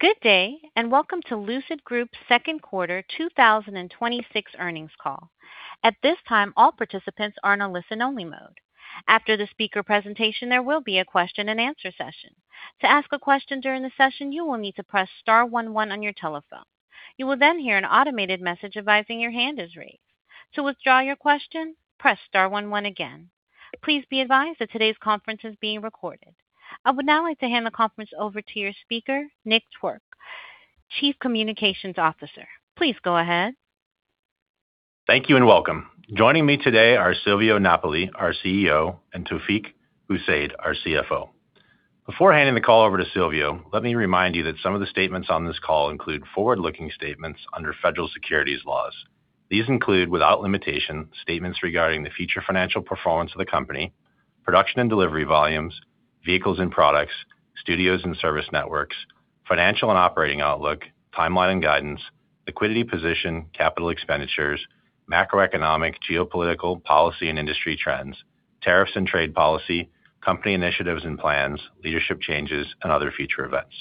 Good day, and welcome to Lucid Group's second quarter 2026 earnings call. At this time, all participants are in a listen-only mode. After the speaker presentation, there will be a question and answer session. To ask a question during the session, you will need to press star one one on your telephone. You will then hear an automated message advising your hand is raised. To withdraw your question, press star one one again. Please be advised that today's conference is being recorded. I would now like to hand the conference over to your speaker, Nick Twork, Chief Communications Officer. Please go ahead. Thank you and welcome. Joining me today are Silvio Napoli, our CEO, and Taoufiq Boussaid, our CFO. Before handing the call over to Silvio, let me remind you that some of the statements on this call include forward-looking statements under federal securities laws. These include, without limitation, statements regarding the future financial performance of the company, production and delivery volumes, vehicles and products, studios and service networks, financial and operating outlook, timeline and guidance, liquidity position, capital expenditures, macroeconomic, geopolitical, policy and industry trends, tariffs and trade policy, company initiatives and plans, leadership changes, and other future events.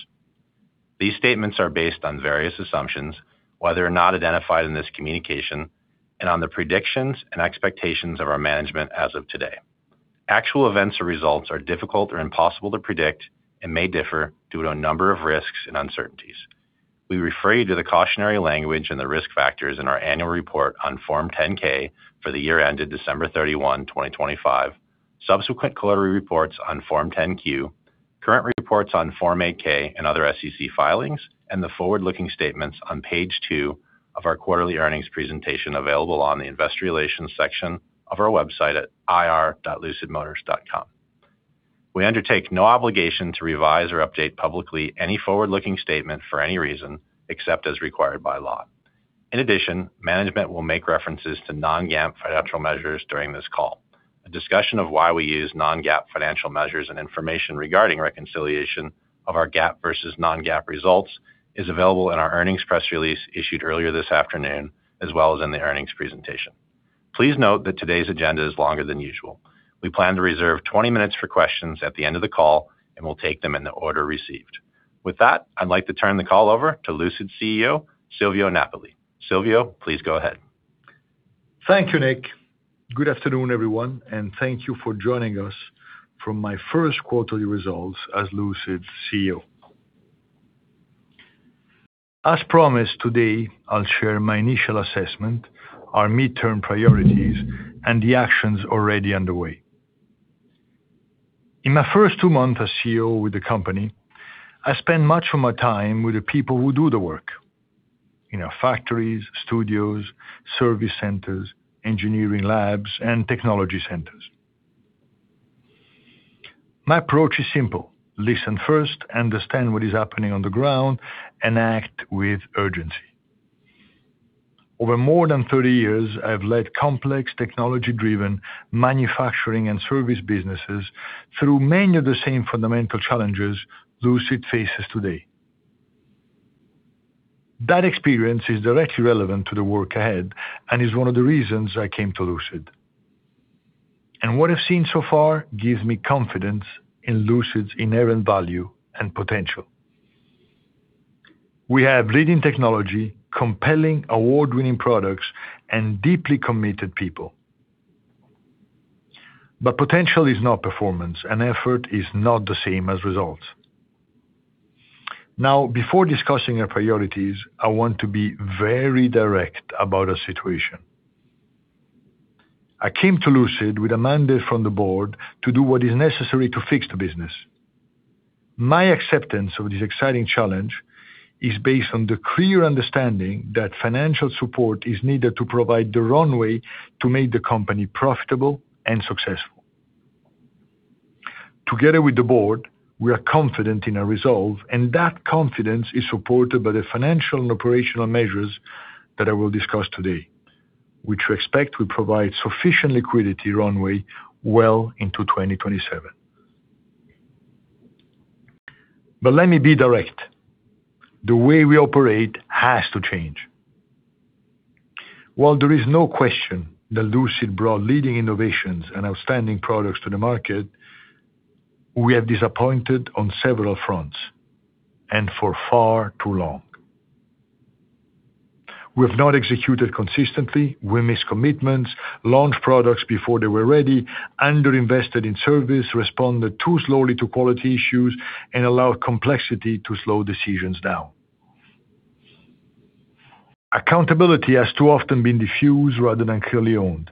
These statements are based on various assumptions, whether or not identified in this communication, and on the predictions and expectations of our management as of today. Actual events or results are difficult or impossible to predict and may differ due to a number of risks and uncertainties. We refer you to the cautionary language and the risk factors in our annual report on Form 10-K for the year ended December 31, 2025, subsequent quarterly reports on Form 10-Q, current reports on Form 8-K and other SEC filings, and the forward-looking statements on page two of our quarterly earnings presentation available on the investor relations section of our website at ir.lucidmotors.com. We undertake no obligation to revise or update publicly any forward-looking statement for any reason, except as required by law. In addition, management will make references to non-GAAP financial measures during this call. A discussion of why we use non-GAAP financial measures and information regarding reconciliation of our GAAP versus non-GAAP results is available in our earnings press release issued earlier this afternoon, as well as in the earnings presentation. Please note that today's agenda is longer than usual. We plan to reserve 20 minutes for questions at the end of the call, and we'll take them in the order received. With that, I'd like to turn the call over to Lucid CEO, Silvio Napoli. Silvio, please go ahead. Thank you, Nick. Good afternoon, everyone, and thank you for joining us from my first quarterly results as Lucid's CEO. As promised today, I'll share my initial assessment, our midterm priorities, and the actions already underway. In my first two months as CEO with the company, I spent much of my time with the people who do the work in our factories, studios, service centers, engineering labs, and technology centers. My approach is simple. Listen first, understand what is happening on the ground, and act with urgency. Over more than 30 years, I've led complex technology-driven manufacturing and service businesses through many of the same fundamental challenges Lucid faces today. That experience is directly relevant to the work ahead and is one of the reasons I came to Lucid. What I've seen so far gives me confidence in Lucid's inherent value and potential. We have leading technology, compelling award-winning products, and deeply committed people. Potential is not performance, and effort is not the same as results. Now, before discussing our priorities, I want to be very direct about our situation. I came to Lucid with a mandate from the Board to do what is necessary to fix the business. My acceptance of this exciting challenge is based on the clear understanding that financial support is needed to provide the runway to make the company profitable and successful. Together with the Board, we are confident in our resolve, and that confidence is supported by the financial and operational measures that I will discuss today, which we expect will provide sufficient liquidity runway well into 2027. Let me be direct. The way we operate has to change. While there is no question that Lucid brought leading innovations and outstanding products to the market, we have disappointed on several fronts and for far too long. We have not executed consistently, we missed commitments, launched products before they were ready, under-invested in service, responded too slowly to quality issues, and allowed complexity to slow decisions down. Accountability has too often been diffused rather than clearly owned,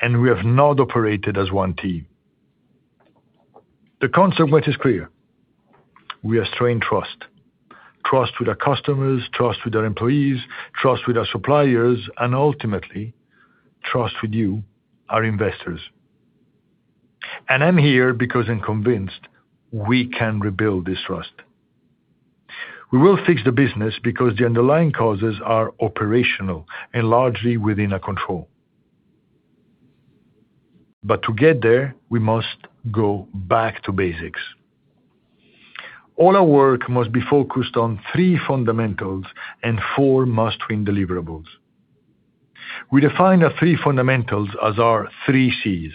and we have not operated as one team. The consequence is clear. We have strained trust. Trust with our customers, trust with our employees, trust with our suppliers, and ultimately, trust with you, our investors. I'm here because I'm convinced we can rebuild this trust. We will fix the business because the underlying causes are operational and largely within our control. To get there, we must go back to basics. All our work must be focused on three fundamentals and four must-win deliverables. We define our three fundamentals as our three Cs: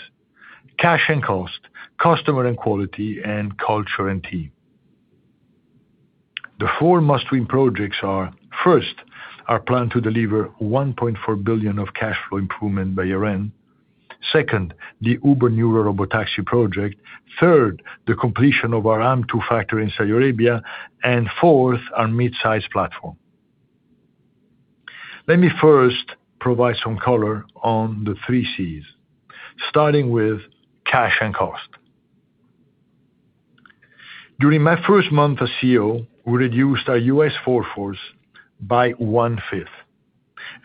cash and cost, customer and quality, and culture and team. The four must-win projects are, first, our plan to deliver $1.4 billion of cash flow improvement by year-end. Second, the Uber Nuro Robotaxi project. Third, the completion of our AMP-2 factory in Saudi Arabia, and fourth, our Midsize platform. Let me first provide some color on the three Cs, starting with cash and cost. During my first month as CEO, we reduced our U.S. workforce by one-fifth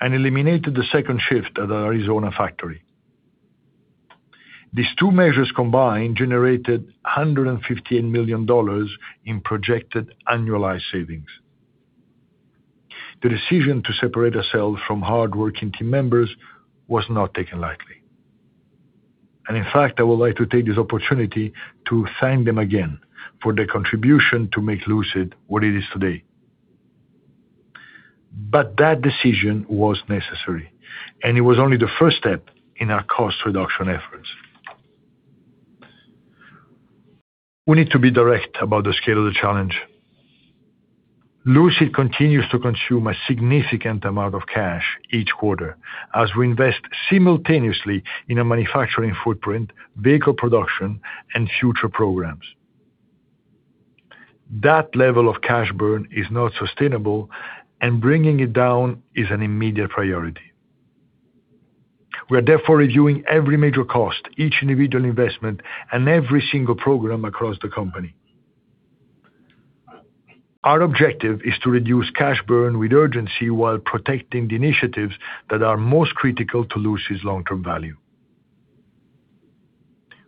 and eliminated the second shift at our Arizona factory. These two measures combined generated $115 million in projected annualized savings. The decision to separate ourselves from hardworking team members was not taken lightly. I would like to take this opportunity to thank them again for their contribution to make Lucid what it is today. That decision was necessary, and it was only the first step in our cost reduction efforts. We need to be direct about the scale of the challenge. Lucid continues to consume a significant amount of cash each quarter as we invest simultaneously in a manufacturing footprint, vehicle production, and future programs. That level of cash burn is not sustainable, and bringing it down is an immediate priority. We are therefore reviewing every major cost, each individual investment, and every single program across the company. Our objective is to reduce cash burn with urgency while protecting the initiatives that are most critical to Lucid's long-term value.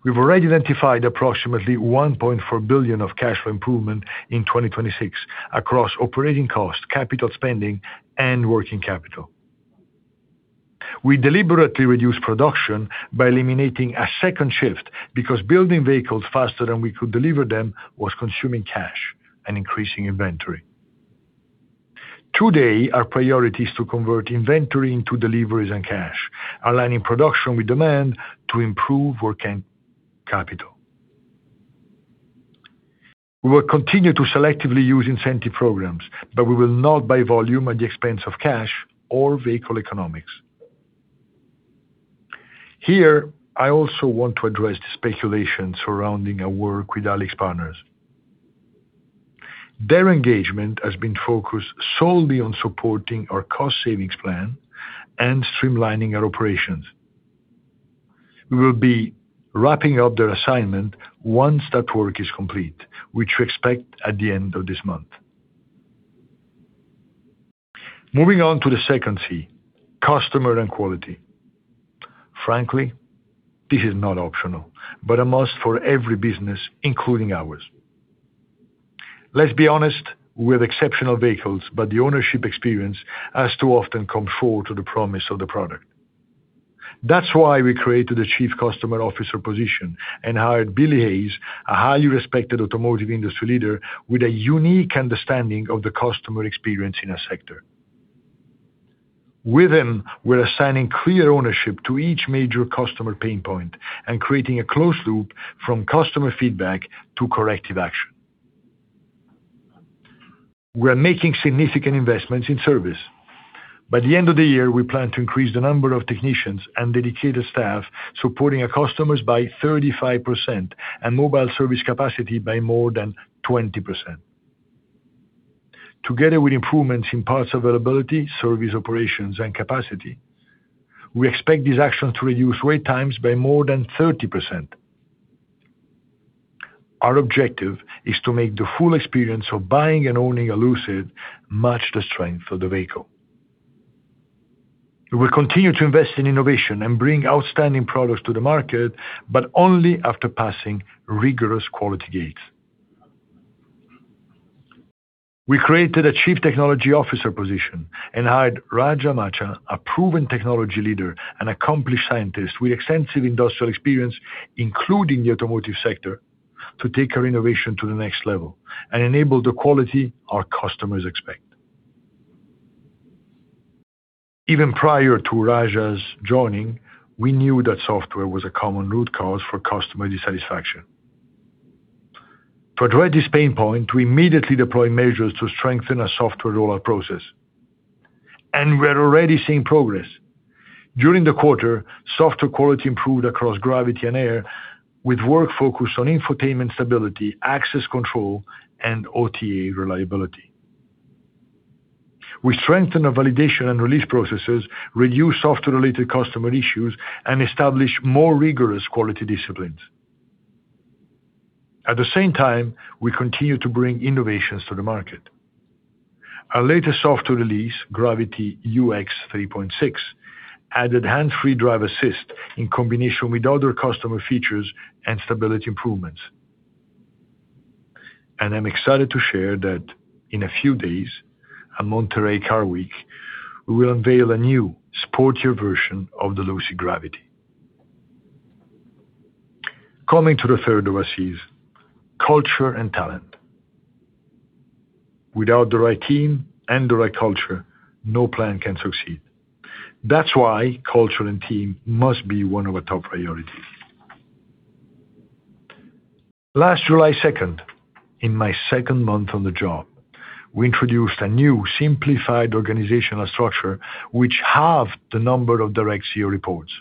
We've already identified approximately $1.4 billion of cash flow improvement in 2026 across operating costs, capital spending, and working capital. We deliberately reduced production by eliminating a second shift because building vehicles faster than we could deliver them was consuming cash and increasing inventory. Today, our priority is to convert inventory into deliveries and cash, aligning production with demand to improve working capital. We will continue to selectively use incentive programs, but we will not buy volume at the expense of cash or vehicle economics. Here, I also want to address the speculation surrounding our work with AlixPartners. Their engagement has been focused solely on supporting our cost savings plan and streamlining our operations. We will be wrapping up their assignment once that work is complete, which we expect at the end of this month. Moving on to the second C, customer and quality. Frankly, this is not optional, but a must for every business, including ours. Let's be honest, we have exceptional vehicles, but the ownership experience has too often come short of the promise of the product. That's why we created the Chief Customer Officer position and hired Billy Hayes, a highly respected automotive industry leader with a unique understanding of the customer experience in our sector. With him, we're assigning clear ownership to each major customer pain point and creating a closed loop from customer feedback to corrective action. We are making significant investments in service. By the end of the year, we plan to increase the number of technicians and dedicated staff supporting our customers by 35% and mobile service capacity by more than 20%. Together with improvements in parts availability, service operations, and capacity, we expect these actions to reduce wait times by more than 30%. Our objective is to make the full experience of buying and owning a Lucid match the strength of the vehicle. We will continue to invest in innovation and bring outstanding products to the market, but only after passing rigorous quality gates. We created a Chief Technology Officer position and hired Raja Macha, a proven technology leader and accomplished scientist with extensive industrial experience, including the automotive sector, to take our innovation to the next level and enable the quality our customers expect. Even prior to Raja's joining, we knew that software was a common root cause for customer dissatisfaction. To address this pain point, we immediately deployed measures to strengthen our software rollout process, and we're already seeing progress. During the quarter, software quality improved across Gravity and Air, with work focused on infotainment stability, access control, and OTA reliability. We strengthened our validation and release processes, reduced software-related customer issues, and established more rigorous quality disciplines. At the same time, we continue to bring innovations to the market. Our latest software release, Gravity UX 3.6, added hands-free drive assist in combination with other customer features and stability improvements. I'm excited to share that in a few days, at Monterey Car Week, we will unveil a new, sportier version of the Lucid Gravity. Coming to the third of our Cs, culture and talent. Without the right team and the right culture, no plan can succeed. That's why culture and team must be one of our top priorities. Last July 2nd, in my second month on the job, we introduced a new simplified organizational structure which halved the number of direct CEO reports.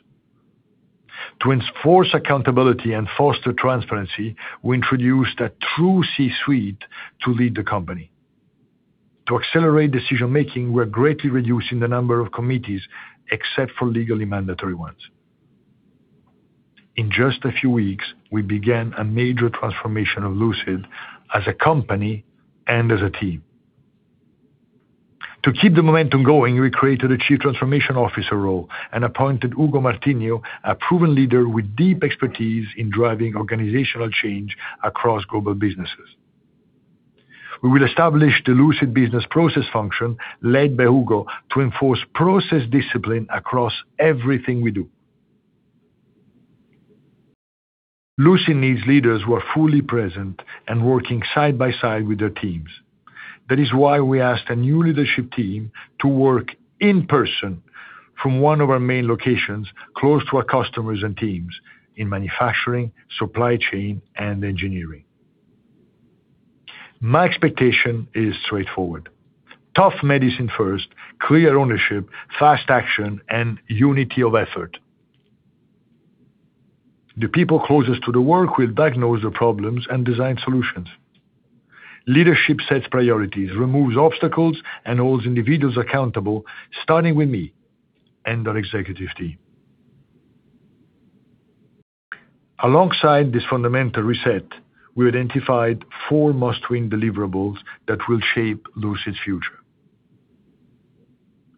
To enforce accountability and foster transparency, we introduced a true C-suite to lead the company. To accelerate decision-making, we're greatly reducing the number of committees except for legally mandatory ones. In just a few weeks, we began a major transformation of Lucid as a company and as a team. To keep the momentum going, we created a Chief Transformation Officer role and appointed Hugo Martinho, a proven leader with deep expertise in driving organizational change across global businesses. We will establish the Lucid business process function led by Hugo to enforce process discipline across everything we do. Lucid needs leaders who are fully present and working side by side with their teams. That is why we asked a new leadership team to work in person from one of our main locations close to our customers and teams in manufacturing, supply chain, and engineering. My expectation is straightforward. Tough medicine first, clear ownership, fast action, and unity of effort. The people closest to the work will diagnose the problems and design solutions. Leadership sets priorities, removes obstacles, and holds individuals accountable, starting with me and our executive team. Alongside this fundamental reset, we identified four must-win deliverables that will shape Lucid's future.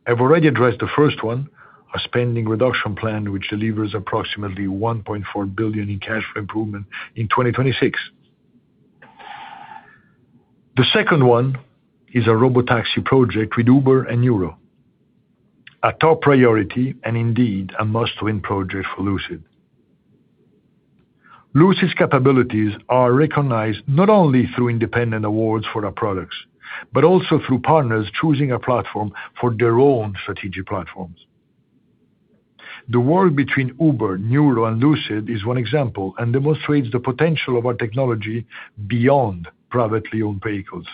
I've already addressed the first one, a spending reduction plan which delivers approximately $1.4 billion in cash flow improvement in 2026. The second one is a robotaxi project with Uber and Nuro, a top priority and indeed a must-win project for Lucid. Lucid's capabilities are recognized not only through independent awards for our products, but also through partners choosing our platform for their own strategic platforms. The work between Uber, Nuro, and Lucid is one example and demonstrates the potential of our technology beyond privately-owned vehicles.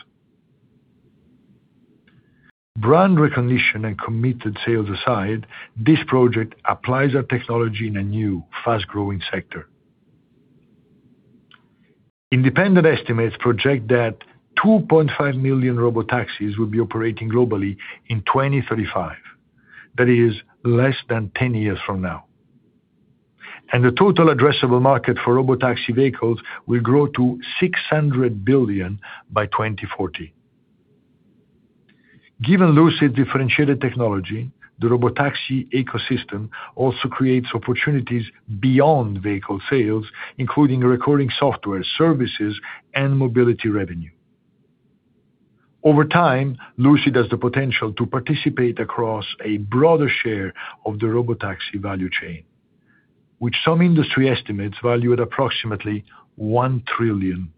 Brand recognition and committed sales aside, this project applies our technology in a new, fast-growing sector. Independent estimates project that 2.5 million robotaxis will be operating globally in 2035. That is less than 10 years from now. The total addressable market for robotaxi vehicles will grow to $600 billion by 2040. Given Lucid's differentiated technology, the robotaxi ecosystem also creates opportunities beyond vehicle sales, including recurring software services and mobility revenue. Over time, Lucid has the potential to participate across a broader share of the robotaxi value chain, which some industry estimates value at approximately $1 trillion.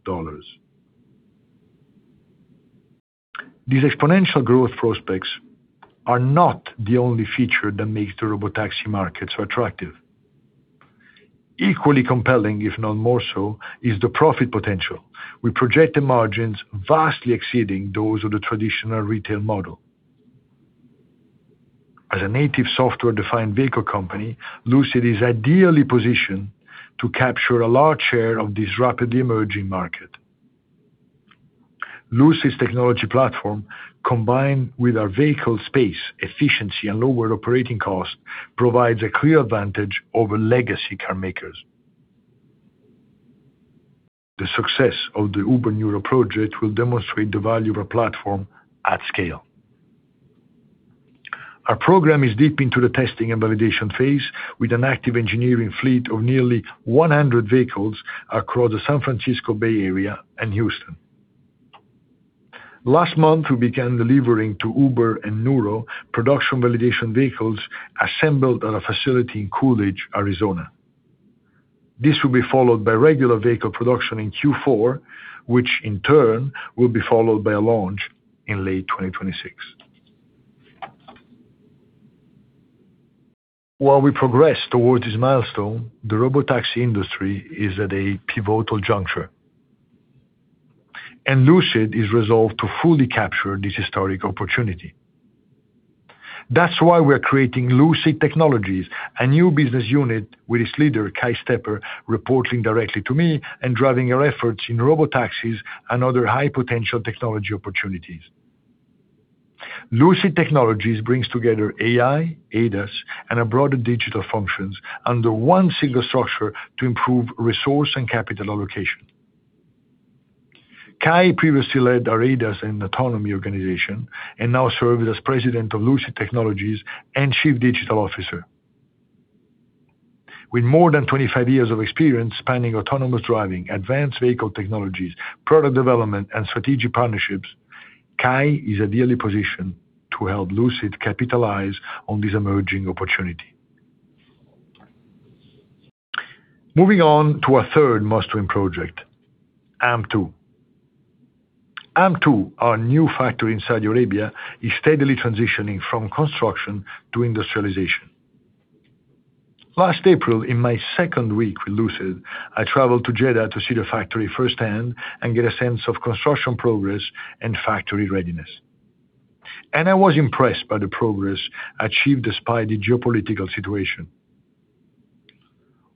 These exponential growth prospects are not the only feature that makes the robotaxi market so attractive. Equally compelling, if not more so, is the profit potential. We project the margins vastly exceeding those of the traditional retail model. As a native software-defined vehicle company, Lucid is ideally positioned to capture a large share of this rapidly emerging market. Lucid's technology platform, combined with our vehicle space efficiency and lower operating cost, provides a clear advantage over legacy car makers. The success of the Uber Nuro project will demonstrate the value of our platform at scale. Our program is deep into the testing and validation phase with an active engineering fleet of nearly 100 vehicles across the San Francisco Bay Area and Houston. Last month, we began delivering to Uber and Nuro production validation vehicles assembled at a facility in Coolidge, Arizona. This will be followed by regular vehicle production in Q4, which in turn will be followed by a launch in late 2026. While we progress towards this milestone, the robotaxi industry is at a pivotal juncture, Lucid is resolved to fully capture this historic opportunity. That's why we're creating Lucid Technologies, a new business unit with its leader, Kay Stepper, reporting directly to me and driving our efforts in robotaxis and other high-potential technology opportunities. Lucid Technologies brings together AI, ADAS, and our broader digital functions under one single structure to improve resource and capital allocation. Kay previously led our ADAS and autonomy organization and now serves as President of Lucid Technologies and Chief Digital Officer. With more than 25 years of experience spanning autonomous driving, advanced vehicle technologies, product development, and strategic partnerships Kay is ideally positioned to help Lucid capitalize on this emerging opportunity. Moving on to our third must-win project, AMP-2. AMP-2, our new factory in Saudi Arabia, is steadily transitioning from construction to industrialization. Last April, in my second week with Lucid, I traveled to Jeddah to see the factory firsthand and get a sense of construction progress and factory readiness. I was impressed by the progress achieved despite the geopolitical situation.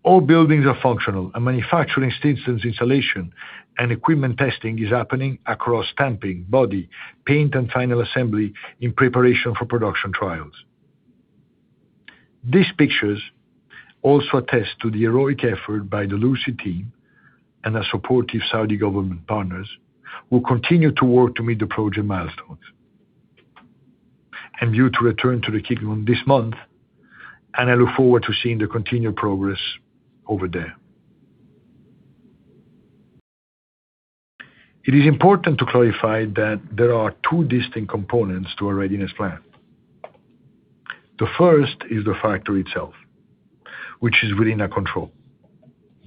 All buildings are functional, manufacturing systems installation and equipment testing is happening across stamping, body, paint, and final assembly in preparation for production trials. These pictures also attest to the heroic effort by the Lucid team and our supportive Saudi government partners who continue to work to meet the project milestones. I'm due to return to the Kingdom this month. I look forward to seeing the continued progress over there. It is important to clarify that there are two distinct components to our readiness plan. The first is the factory itself, which is within our control.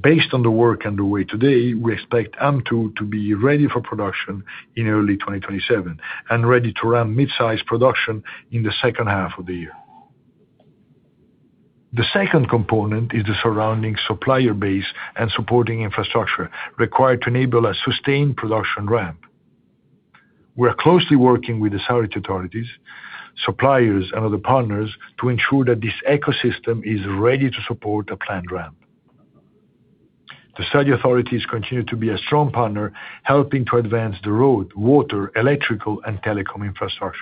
Based on the work underway today, we expect AMP-2 to be ready for production in early 2027, ready to run Midsize production in the second half of the year. The second component is the surrounding supplier base and supporting infrastructure required to enable a sustained production ramp. We are closely working with the Saudi authorities, suppliers, and other partners to ensure that this ecosystem is ready to support a planned ramp. The Saudi authorities continue to be a strong partner, helping to advance the road, water, electrical, and telecom infrastructure.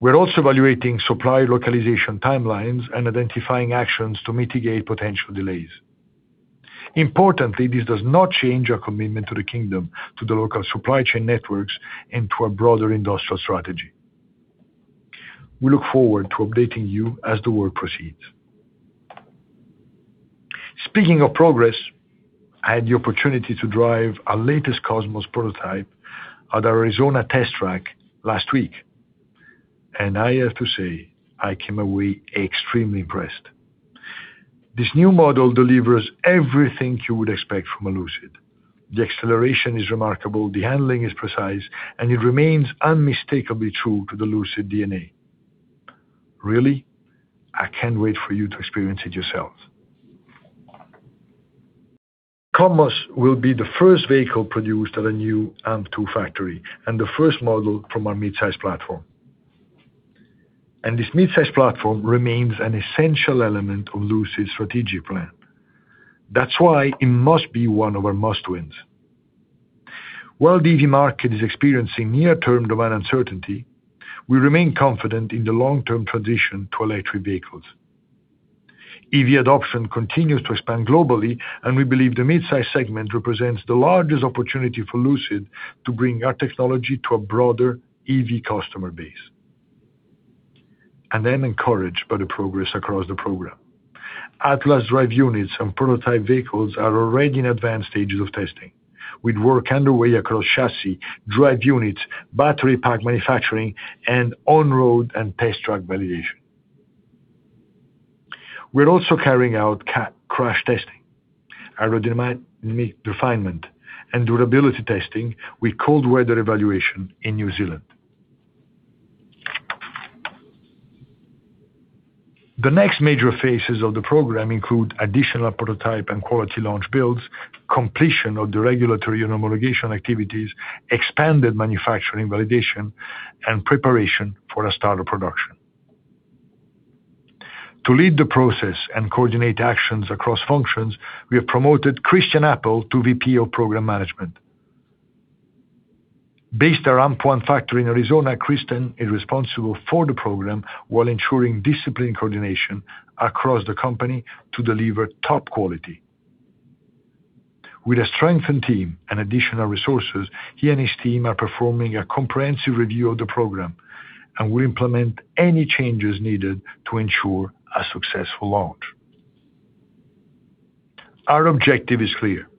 We're also evaluating supply localization timelines and identifying actions to mitigate potential delays. Importantly, this does not change our commitment to the Kingdom, to the local supply chain networks, to our broader industrial strategy. We look forward to updating you as the work proceeds. Speaking of progress, I had the opportunity to drive our latest Cosmos prototype at our Arizona test track last week, and I have to say, I came away extremely impressed. This new model delivers everything you would expect from a Lucid. The acceleration is remarkable, the handling is precise, and it remains unmistakably true to the Lucid DNA. Really, I cannot wait for you to experience it yourselves. Cosmos will be the first vehicle produced at our new AMP-2 factory and the first model from our Midsize platform. This Midsize platform remains an essential element of Lucid's strategic plan. That is why it must be one of our must-wins. While the EV market is experiencing near-term demand uncertainty, we remain confident in the long-term transition to electric vehicles. EV adoption continues to expand globally, and we believe the Midsize segment represents the largest opportunity for Lucid to bring our technology to a broader EV customer base. I am encouraged by the progress across the program. Atlas drive units and prototype vehicles are already in advanced stages of testing, with work underway across chassis, drive units, battery pack manufacturing, and on-road and test track validation. We are also carrying out crash testing, aerodynamic refinement, and durability testing with cold weather evaluation in New Zealand. The next major phases of the program include additional prototype and quality launch builds, completion of the regulatory and homologation activities, expanded manufacturing validation, and preparation for the start of production. To lead the process and coordinate actions across functions, we have promoted Christian Appel to VP of Program Management. Based at our AMP-1 factory in Arizona, Christian is responsible for the program while ensuring discipline and coordination across the company to deliver top quality. With a strengthened team and additional resources, he and his team are performing a comprehensive review of the program and will implement any changes needed to ensure a successful launch. Our objective is clear.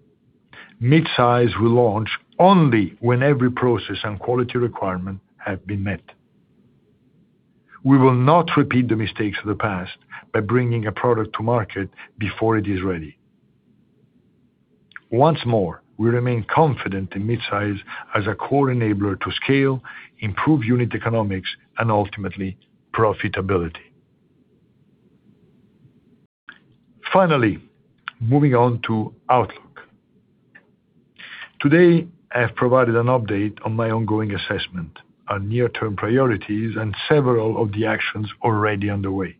Midsize will launch only when every process and quality requirement have been met. We will not repeat the mistakes of the past by bringing a product to market before it is ready. Once more, we remain confident in Midsize as a core enabler to scale, improve unit economics, and ultimately profitability. Finally, moving on to outlook. Today, I have provided an update on my ongoing assessment, our near-term priorities, and several of the actions already underway.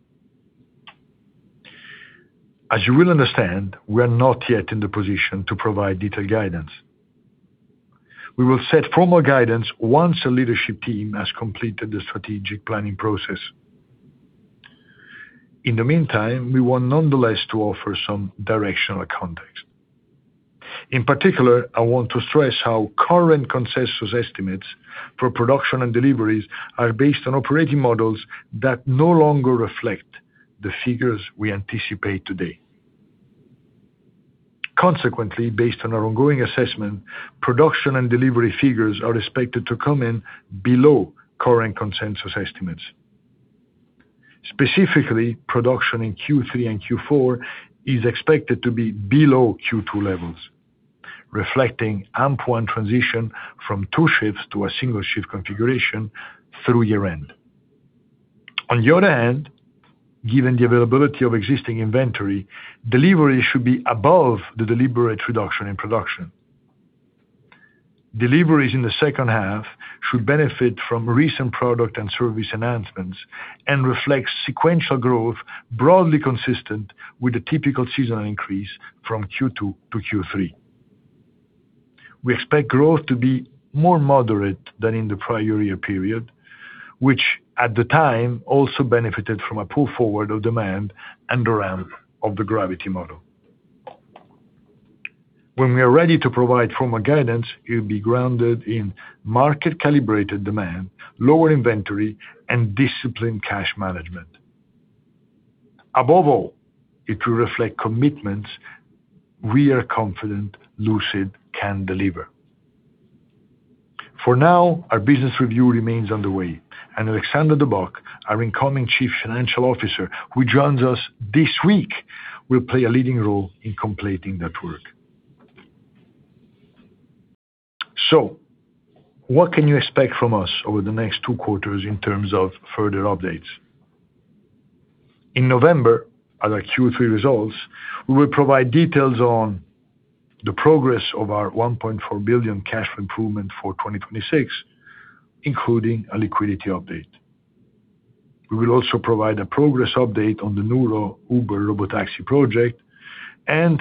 As you will understand, we are not yet in the position to provide detailed guidance. We will set formal guidance once the leadership team has completed the strategic planning process. In the meantime, we want nonetheless to offer some directional context. In particular, I want to stress how current consensus estimates for production and deliveries are based on operating models that no longer reflect the figures we anticipate today. Consequently, based on our ongoing assessment, production and delivery figures are expected to come in below current consensus estimates. Specifically, production in Q3 and Q4 is expected to be below Q2 levels, reflecting AMP-1 transition from two shifts to a single shift configuration through year-end. On the other hand, given the availability of existing inventory, delivery should be above the deliberate reduction in production. Deliveries in the second half should benefit from recent product and service announcements and reflect sequential growth broadly consistent with the typical seasonal increase from Q2 to Q3. We expect growth to be more moderate than in the prior year period, which at the time also benefited from a pull forward of demand and the ramp of the Gravity model. When we are ready to provide formal guidance, it will be grounded in market-calibrated demand, lower inventory, and disciplined cash management. Above all, it will reflect commitments we are confident Lucid can deliver. For now, our business review remains underway, and Alexander De Bock, our incoming Chief Financial Officer, who joins us this week, will play a leading role in completing that work. What can you expect from us over the next two quarters in terms of further updates? In November, at our Q3 results, we will provide details on the progress of our $1.4 billion cash improvement for 2026, including a liquidity update. We will also provide a progress update on the Uber Nuro Robotaxi project and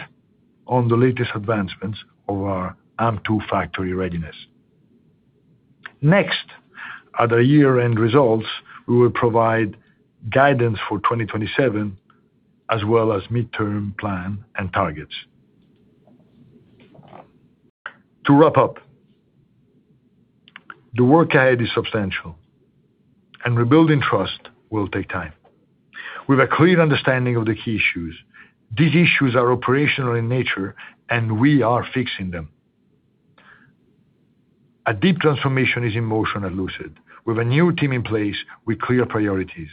on the latest advancements of our AMP-2 factory readiness. At our year-end results, we will provide guidance for 2027 as well as midterm plan and targets. To wrap up, the work ahead is substantial, and rebuilding trust will take time. We have a clear understanding of the key issues. These issues are operational in nature, and we are fixing them. A deep transformation is in motion at Lucid, with a new team in place with clear priorities.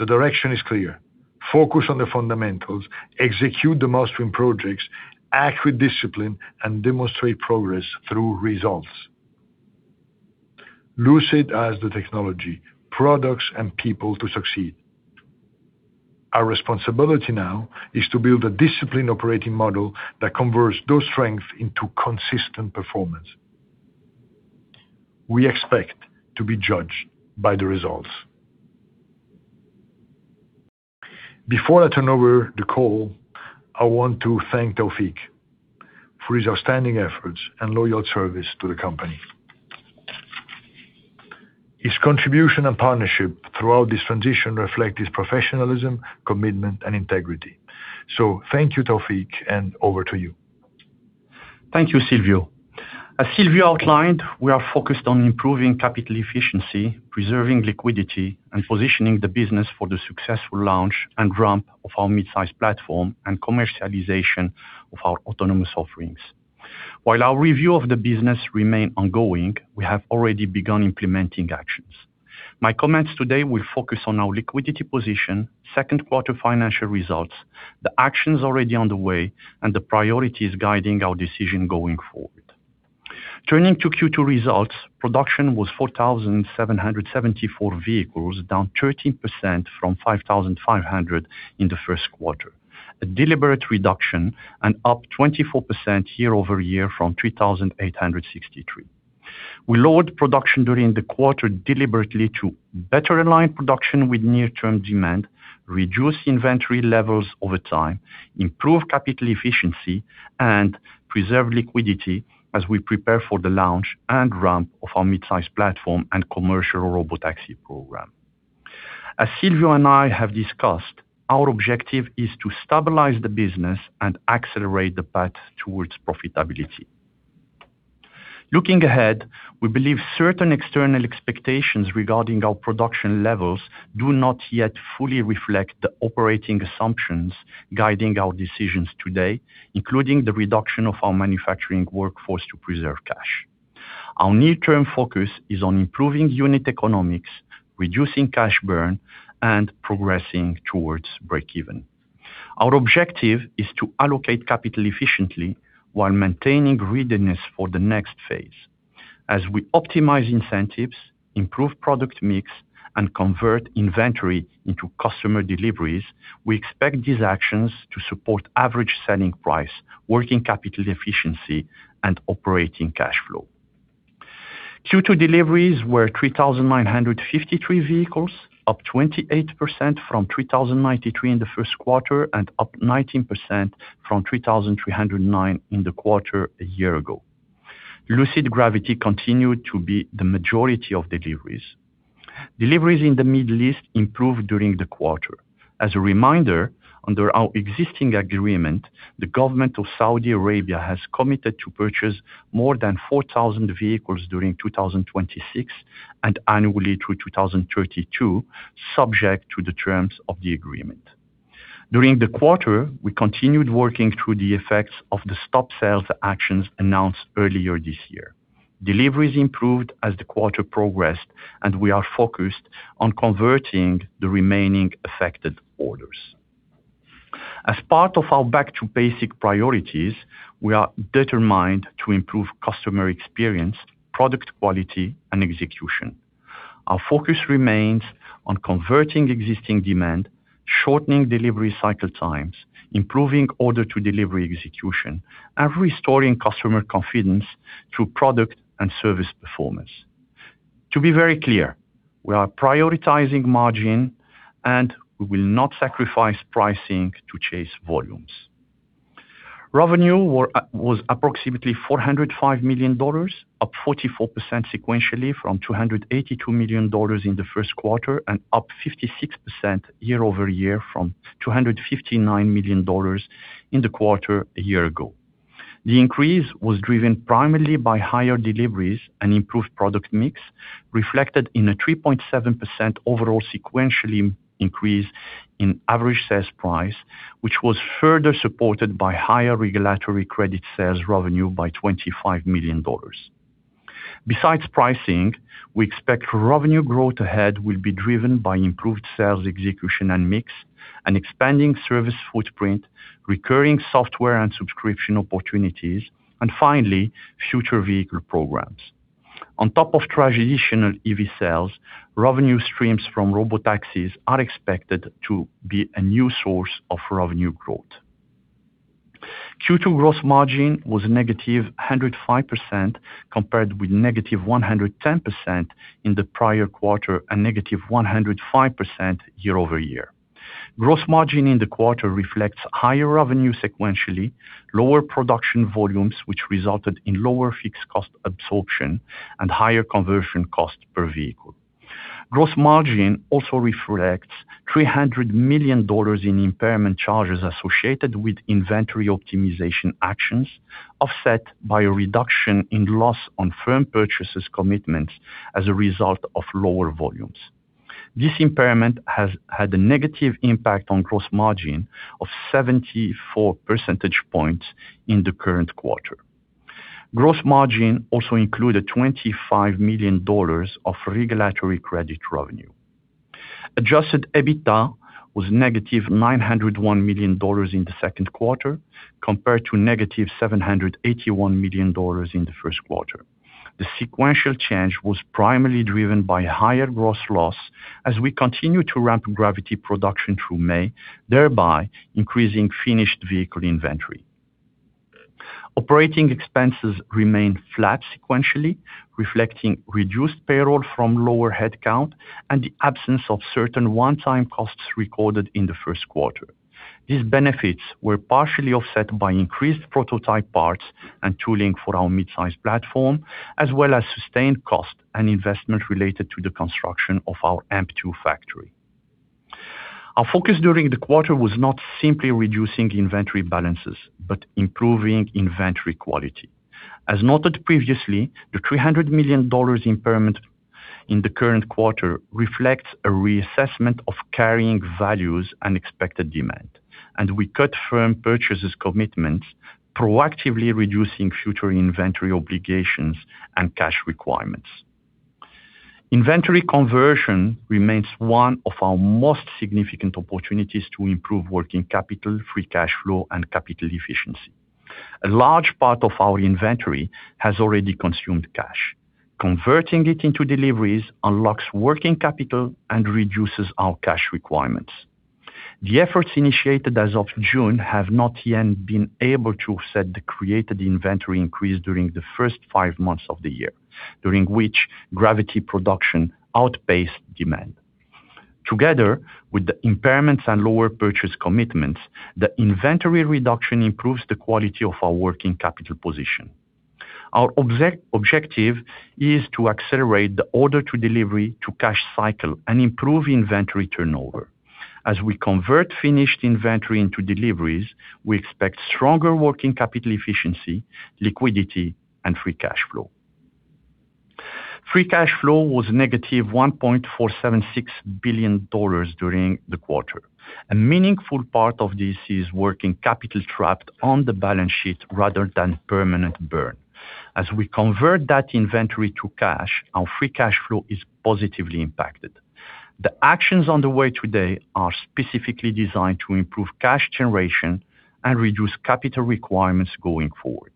The direction is clear. Focus on the fundamentals, execute the mainstream projects, act with discipline, and demonstrate progress through results. Lucid has the technology, products, and people to succeed. Our responsibility now is to build a disciplined operating model that converts those strengths into consistent performance. We expect to be judged by the results. Before I turn over the call, I want to thank Taoufiq for his outstanding efforts and loyal service to the company. His contribution and partnership throughout this transition reflect his professionalism, commitment, and integrity. Thank you, Taoufiq, and over to you. Thank you, Silvio. As Silvio outlined, we are focused on improving capital efficiency, preserving liquidity, and positioning the business for the successful launch and ramp of our Midsize platform and commercialization of our autonomous offerings. While our review of the business remains ongoing, we have already begun implementing actions. My comments today will focus on our liquidity position, second quarter financial results, the actions already on the way, and the priorities guiding our decision going forward. Turning to Q2 results, production was 4,774 vehicles, down 13% from 5,500 in the first quarter, a deliberate reduction and up 24% year-over-year from 3,863. We lowered production during the quarter deliberately to better align production with near-term demand, reduce inventory levels over time, improve capital efficiency, and preserve liquidity as we prepare for the launch and ramp of our Midsize platform and commercial robotaxi program. As Silvio and I have discussed, our objective is to stabilize the business and accelerate the path towards profitability. Looking ahead, we believe certain external expectations regarding our production levels do not yet fully reflect the operating assumptions guiding our decisions today, including the reduction of our manufacturing workforce to preserve cash. Our near-term focus is on improving unit economics, reducing cash burn, and progressing towards break even. Our objective is to allocate capital efficiently while maintaining readiness for the next phase. As we optimize incentives, improve product mix, and convert inventory into customer deliveries, we expect these actions to support average selling price, working capital efficiency, and operating cash flow. Q2 deliveries were 3,953 vehicles, up 28% from 3,093 in the first quarter and up 19% from 3,309 in the quarter a year ago. Lucid Gravity continued to be the majority of deliveries. Deliveries in the Middle East improved during the quarter. As a reminder, under our existing agreement, the government of Saudi Arabia has committed to purchase more than 4,000 vehicles during 2026 and annually through 2032, subject to the terms of the agreement. During the quarter, we continued working through the effects of the stop sales actions announced earlier this year. Deliveries improved as the quarter progressed, and we are focused on converting the remaining affected orders. As part of our back to basic priorities, we are determined to improve customer experience, product quality, and execution. Our focus remains on converting existing demand, shortening delivery cycle times, improving order to delivery execution, and restoring customer confidence through product and service performance. To be very clear, we are prioritizing margin, and we will not sacrifice pricing to chase volumes. Revenue was approximately $405 million, up 44% sequentially from $282 million in the first quarter and up 56% year-over-year from $259 million in the quarter a year ago. The increase was driven primarily by higher deliveries and improved product mix, reflected in a 3.7% overall sequentially increase in average sales price, which was further supported by higher regulatory credit sales revenue by $25 million. Besides pricing, we expect revenue growth ahead will be driven by improved sales execution and mix, an expanding service footprint, recurring software and subscription opportunities, and finally, future vehicle programs. On top of traditional EV sales, revenue streams from robotaxis are expected to be a new source of revenue growth. Q2 gross margin was a -105%, compared with -110% in the prior quarter and -105% year-over-year. Gross margin in the quarter reflects higher revenue sequentially, lower production volumes, which resulted in lower fixed cost absorption, and higher conversion cost per vehicle. Gross margin also reflects $300 million in impairment charges associated with inventory optimization actions, offset by a reduction in loss on firm purchases commitments as a result of lower volumes. This impairment has had a negative impact on gross margin of 74 percentage points in the current quarter. Gross margin also included $25 million of regulatory credit revenue. Adjusted EBITDA was -$901 million in the second quarter, compared to -$781 million in the first quarter. The sequential change was primarily driven by higher gross loss as we continue to ramp Gravity production through May, thereby increasing finished vehicle inventory. Operating expenses remained flat sequentially, reflecting reduced payroll from lower headcount, and the absence of certain one-time costs recorded in the first quarter. These benefits were partially offset by increased prototype parts and tooling for our Midsize platform, as well as sustained cost and investment related to the construction of our AMP-2 factory. Our focus during the quarter was not simply reducing inventory balances, but improving inventory quality. As noted previously, the $300 million impairment in the current quarter reflects a reassessment of carrying values and expected demand. We cut firm purchases commitments, proactively reducing future inventory obligations and cash requirements. Inventory conversion remains one of our most significant opportunities to improve working capital, free cash flow, and capital efficiency. A large part of our inventory has already consumed cash. Converting it into deliveries unlocks working capital and reduces our cash requirements. The efforts initiated as of June have not yet been able to offset the created inventory increase during the first five months of the year, during which Gravity production outpaced demand. Together with the impairments and lower purchase commitments, the inventory reduction improves the quality of our working capital position. Our objective is to accelerate the order to delivery to cash cycle and improve inventory turnover. As we convert finished inventory into deliveries, we expect stronger working capital efficiency, liquidity, and free cash flow. Free cash flow was -$1.476 billion during the quarter. A meaningful part of this is working capital trapped on the balance sheet rather than permanent burn. As we convert that inventory to cash, our free cash flow is positively impacted. The actions underway today are specifically designed to improve cash generation and reduce capital requirements going forward.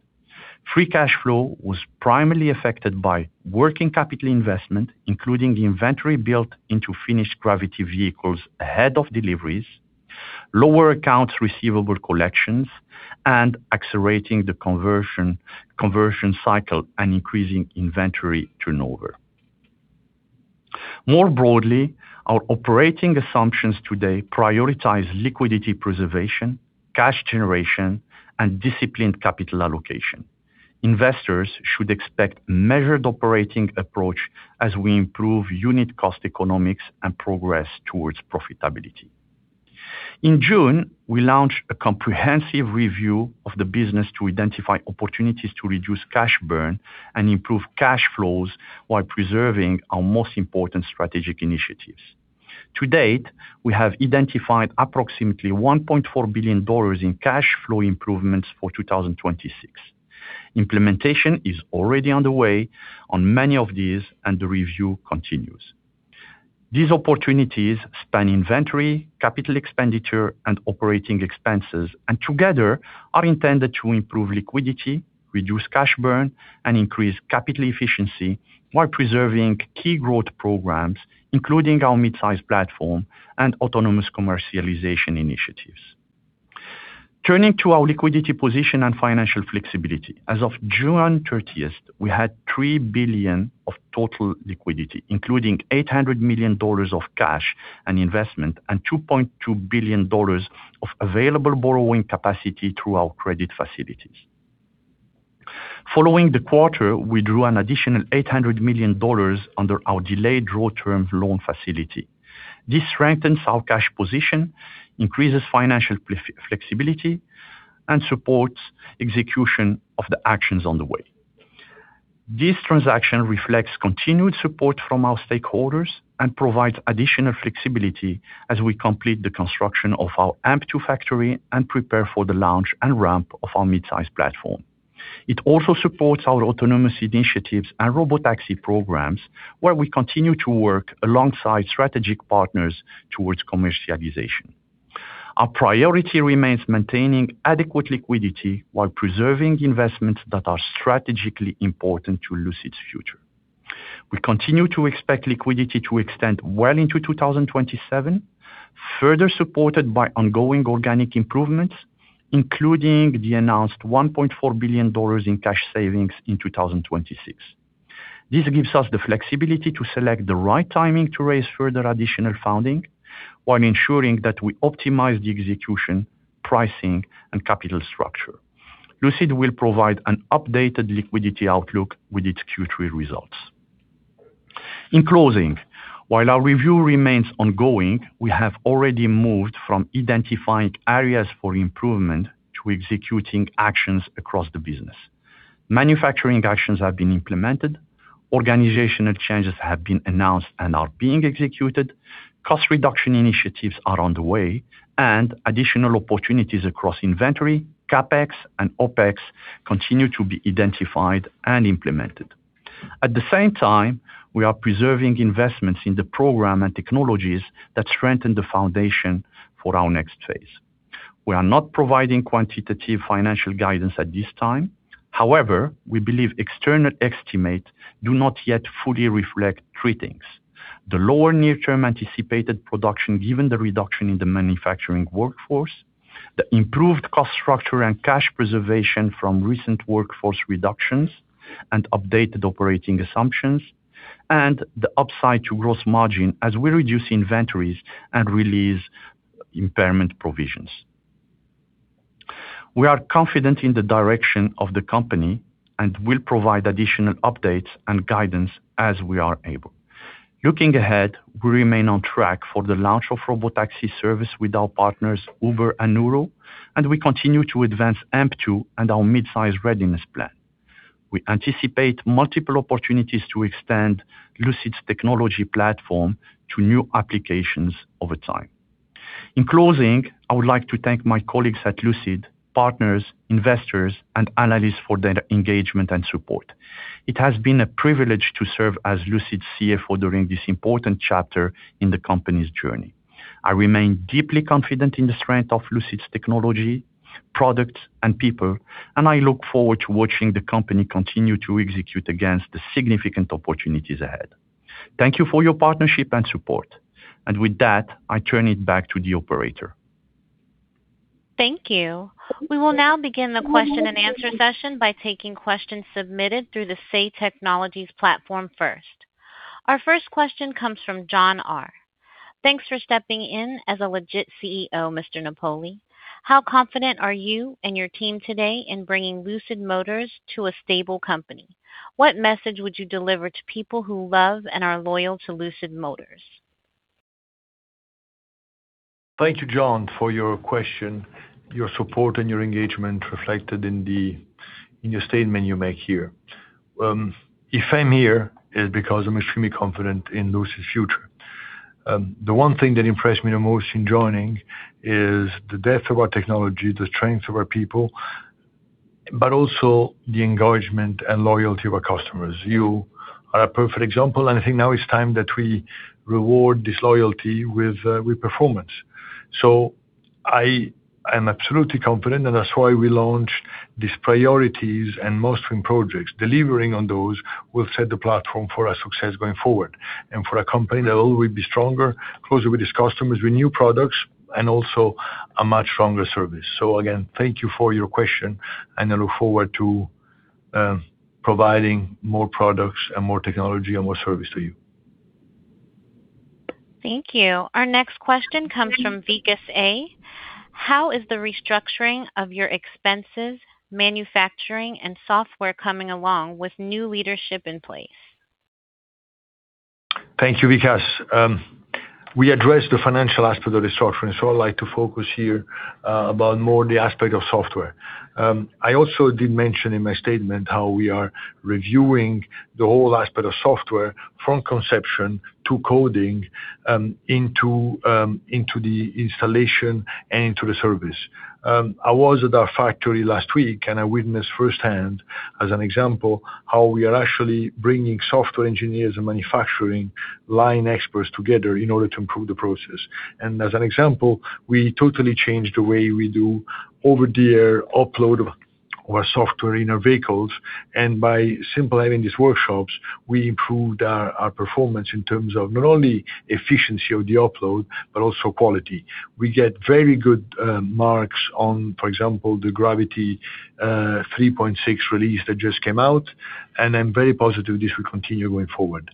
Free cash flow was primarily affected by working capital investment, including the inventory built into finished Gravity vehicles ahead of deliveries, lower accounts receivable collections, accelerating the conversion cycle and increasing inventory turnover. More broadly, our operating assumptions today prioritize liquidity preservation, cash generation, and disciplined capital allocation. Investors should expect measured operating approach as we improve unit cost economics and progress towards profitability. In June, we launched a comprehensive review of the business to identify opportunities to reduce cash burn and improve cash flows while preserving our most important strategic initiatives. To date, we have identified approximately $1.4 billion in cash flow improvements for 2026. Implementation is already underway on many of these. The review continues. These opportunities span inventory, capital expenditure, and operating expenses. Together are intended to improve liquidity, reduce cash burn, and increase capital efficiency while preserving key growth programs, including our Midsize platform and autonomous commercialization initiatives. Turning to our liquidity position and financial flexibility, as of June 30th, we had $3 billion of total liquidity, including $800 million of cash and investment, $2.2 billion of available borrowing capacity through our credit facilities. Following the quarter, we drew an additional $800 million under our Delayed Draw Term Loan Facility. This strengthens our cash position, increases financial flexibility, and supports execution of the actions on the way. This transaction reflects continued support from our stakeholders and provides additional flexibility as we complete the construction of our AMP-2 factory and prepare for the launch and ramp of our Midsize platform. It also supports our autonomous initiatives and robotaxi programs, where we continue to work alongside strategic partners towards commercialization. Our priority remains maintaining adequate liquidity while preserving investments that are strategically important to Lucid's future. We continue to expect liquidity to extend well into 2027, further supported by ongoing organic improvements, including the announced $1.4 billion in cash savings in 2026. This gives us the flexibility to select the right timing to raise further additional funding while ensuring that we optimize the execution, pricing, and capital structure. Lucid will provide an updated liquidity outlook with its Q3 results. In closing, while our review remains ongoing, we have already moved from identifying areas for improvement to executing actions across the business. Manufacturing actions have been implemented, organizational changes have been announced and are being executed, cost reduction initiatives are underway, and additional opportunities across inventory, CapEx, and OpEx continue to be identified and implemented. At the same time, we are preserving investments in the program and technologies that strengthen the foundation for our next phase. We are not providing quantitative financial guidance at this time. However, we believe external estimates do not yet fully reflect three things: The lower near-term anticipated production given the reduction in the manufacturing workforce, the improved cost structure and cash preservation from recent workforce reductions and updated operating assumptions, and the upside to gross margin as we reduce inventories and release impairment provisions. We are confident in the direction of the company and will provide additional updates and guidance as we are able. Looking ahead, we remain on track for the launch of robotaxi service with our partners, Uber and Nuro, we continue to advance AMP2 and our Midsize readiness plan. We anticipate multiple opportunities to extend Lucid's technology platform to new applications over time. In closing, I would like to thank my colleagues at Lucid, partners, investors, and analysts for their engagement and support. It has been a privilege to serve as Lucid's CFO during this important chapter in the company's journey. I remain deeply confident in the strength of Lucid's technology, products, and people, and I look forward to watching the company continue to execute against the significant opportunities ahead. Thank you for your partnership and support. With that, I turn it back to the operator. Thank you. We will now begin the question and answer session by taking questions submitted through the Say Technologies platform first. Our first question comes from John R. "Thanks for stepping in as a legit CEO, Mr. Napoli. How confident are you and your team today in bringing Lucid Motors to a stable company? What message would you deliver to people who love and are loyal to Lucid Motors? Thank you, John, for your question, your support, and your engagement reflected in your statement you make here. If I'm here, it's because I'm extremely confident in Lucid's future. The one thing that impressed me the most in joining is the depth of our technology, the strength of our people, but also the engagement and loyalty of our customers. You are a perfect example, and I think now is time that we reward this loyalty with performance. I am absolutely confident, and that's why we launched these priorities and mainstream projects. Delivering on those will set the platform for our success going forward and for a company that will always be stronger, closer with its customers, with new products, and also a much stronger service. Again, thank you for your question, and I look forward to providing more products and more technology and more service to you. Thank you. Our next question comes from Vikas A. "How is the restructuring of your expenses, manufacturing, and software coming along with new leadership in place? Thank you, Vikas. We addressed the financial aspect of the software, I'd like to focus here about more the aspect of software. I also did mention in my statement how we are reviewing the whole aspect of software from conception to coding, into the installation, and into the service. I was at our factory last week, and I witnessed firsthand, as an example, how we are actually bringing software engineers and manufacturing line experts together in order to improve the process. As an example, we totally changed the way we do over-the-air upload of our software in our vehicles. By simply having these workshops, we improved our performance in terms of not only efficiency of the upload, but also quality. We get very good marks on, for example, the Gravity UX 3.6 release that just came out, and I'm very positive this will continue going forward.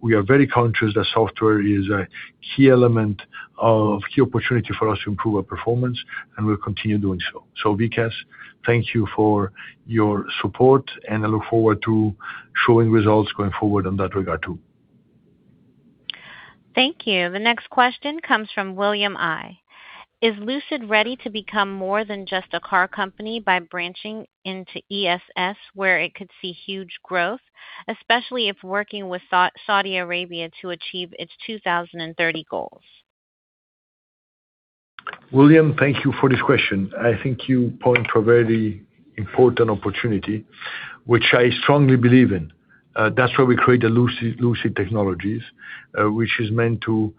We are very conscious that software is a key element of key opportunity for us to improve our performance, and we'll continue doing so. Vikas, thank you for your support, and I look forward to showing results going forward in that regard, too. Thank you. The next question comes from William I. "Is Lucid ready to become more than just a car company by branching into ESS where it could see huge growth, especially if working with Saudi Arabia to achieve its 2030 goals? William, thank you for this question. I think you point to a very important opportunity which I strongly believe in. That's why we created Lucid Technologies, which is meant to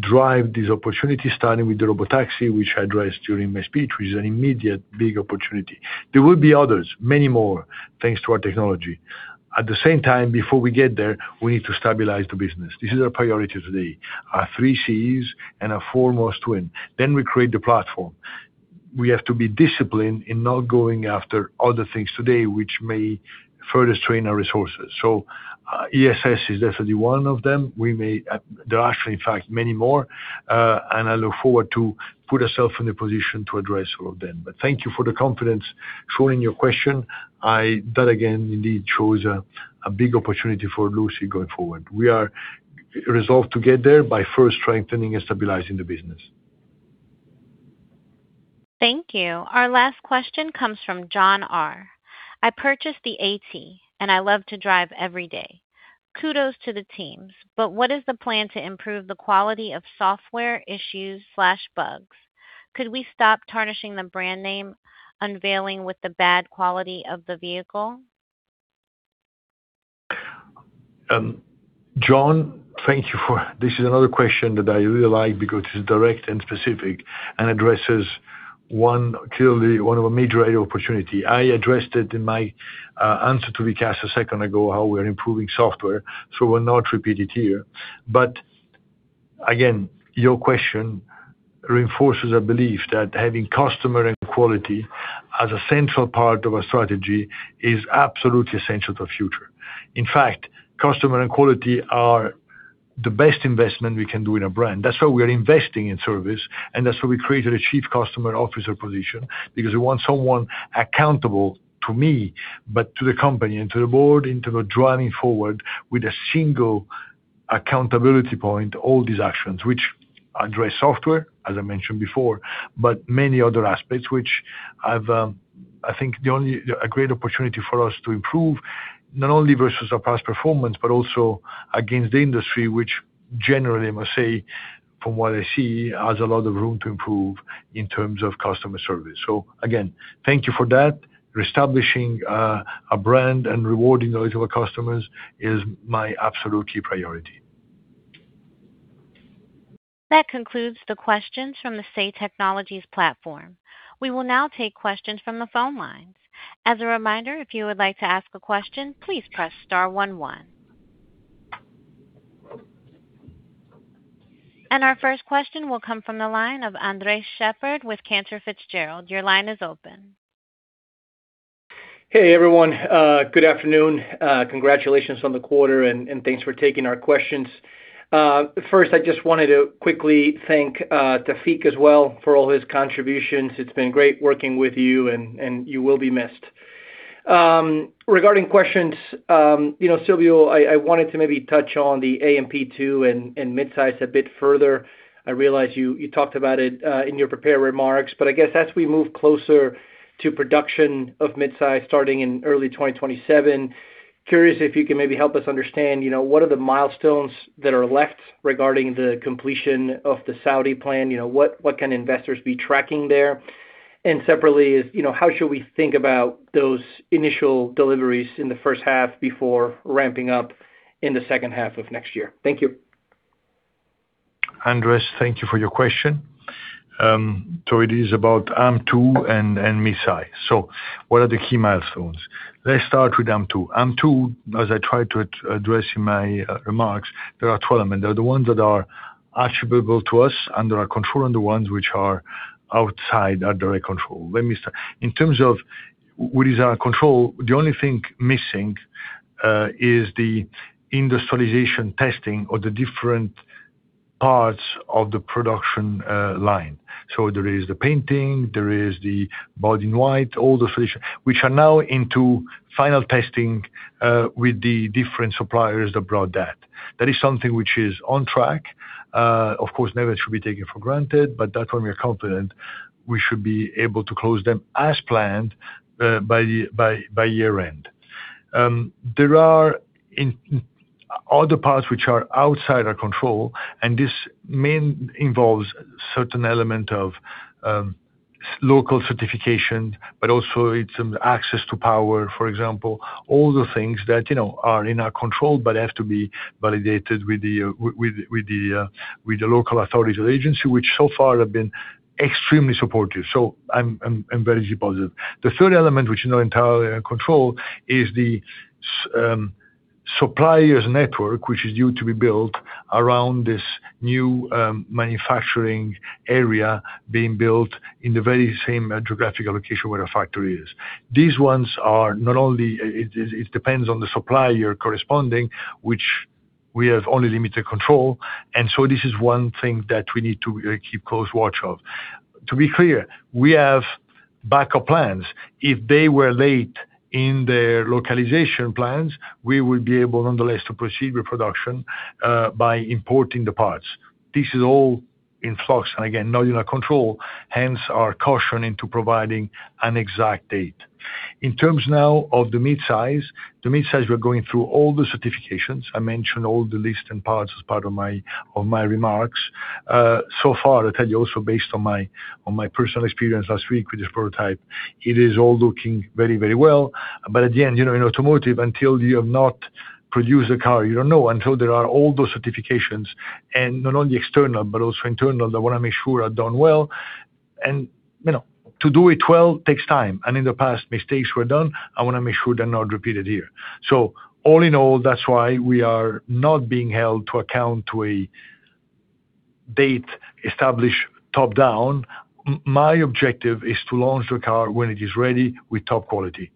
drive these opportunities, starting with the robotaxi, which I addressed during my speech, which is an immediate big opportunity. There will be others, many more, thanks to our technology. At the same time, before we get there, we need to stabilize the business. This is our priority today, our three Cs and our four must-wins. Then we create the platform. We have to be disciplined in not going after other things today, which may further strain our resources. ESS is definitely one of them. There are actually, in fact, many more, and I look forward to put ourself in a position to address all of them. Thank you for the confidence shown in your question. That again, indeed shows a big opportunity for Lucid going forward. We are resolved to get there by first strengthening and stabilizing the business. Thank you. Our last question comes from John R. "I purchased the AT, and I love to drive every day. Kudos to the teams. What is the plan to improve the quality of software issues/bugs? Could we stop tarnishing the brand name unveiling with the bad quality of the vehicle? John, thank you for this. This is another question that I really like because it's direct and specific and addresses clearly one of a major opportunity. I addressed it in my answer to Vikas A. a second ago, how we are improving software, will not repeat it here. Again, your question reinforces a belief that having customer and quality as a central part of our strategy is absolutely essential to the future. In fact, customer and quality are the best investment we can do in a brand. That's why we are investing in service, and that's why we created a Chief Customer Officer position because we want someone accountable to me, but to the company, and to the Board, and to the driving forward with a single accountability point, all these actions, which address software, as I mentioned before. Many other aspects, which I think a great opportunity for us to improve not only versus our past performance, but also against the industry, which generally, I must say, from what I see, has a lot of room to improve in terms of customer service. Again, thank you for that. Reestablishing our brand and rewarding those to our customers is my absolute key priority. That concludes the questions from the Say Technologies platform. We will now take questions from the phone lines. As a reminder, if you would like to ask a question, please press star one one. Our first question will come from the line of Andres Sheppard with Cantor Fitzgerald. Your line is open. Hey, everyone. Good afternoon. Congratulations on the quarter, and thanks for taking our questions. First, I just wanted to quickly thank Taoufiq as well for all his contributions. It's been great working with you, and you will be missed. Regarding questions, Silvio, I wanted to maybe touch on the AMP-2 and Midsize a bit further. I realize you talked about it in your prepared remarks. I guess as we move closer to production of Midsize starting in early 2027, curious if you can maybe help us understand what are the milestones that are left regarding the completion of the Saudi plant? Separately, how should we think about those initial deliveries in the first half before ramping up in the second half of next year? Thank you. Andres, thank you for your question. It is about AMP-2 and Midsize. What are the key milestones? Let's start with AMP-2. AMP-2, as I tried to address in my remarks, there are 12 of them, they're the ones that are attributable to us under our control, and the ones which are outside our direct control. Let me start. In terms of what is our control, the only thing missing is the industrialization testing of the different parts of the production line. There is the painting, there is the body in white, all the finish, which are now into final testing with the different suppliers that brought that. That is something which is on track. Of course, nothing should be taken for granted, that one we are confident we should be able to close them as planned by year-end. There are other parts which are outside our control, and this main involves certain element of local certification, but also it's access to power, for example. All the things that are in our control but have to be validated with the local authorities or agency, which so far have been extremely supportive. I'm very positive. The third element, which is not entirely in our control, is the suppliers' network, which is due to be built around this new manufacturing area being built in the very same geographical location where our factory is. These ones are not only it depends on the supplier corresponding, which we have only limited control, this is one thing that we need to keep close watch of. To be clear, we have backup plans. If they were late in their localization plans, we would be able, nonetheless, to proceed with production by importing the parts. This is all in flux. Again, not in our control, hence our caution into providing an exact date. In terms now of the Midsize. The Midsize, we're going through all the certifications. I mentioned all the lists and parts as part of my remarks. So far, I tell you also, based on my personal experience last week with this prototype, it is all looking very well. At the end, in automotive, until you have not produced a car, you don't know. Until there are all those certifications, and not only external, but also internal, that want to make sure are done well. To do it well takes time. In the past, mistakes were done. I want to make sure they're not repeated here. All in all, that's why we are not being held to account to a date established top-down. My objective is to launch the car when it is ready with top quality.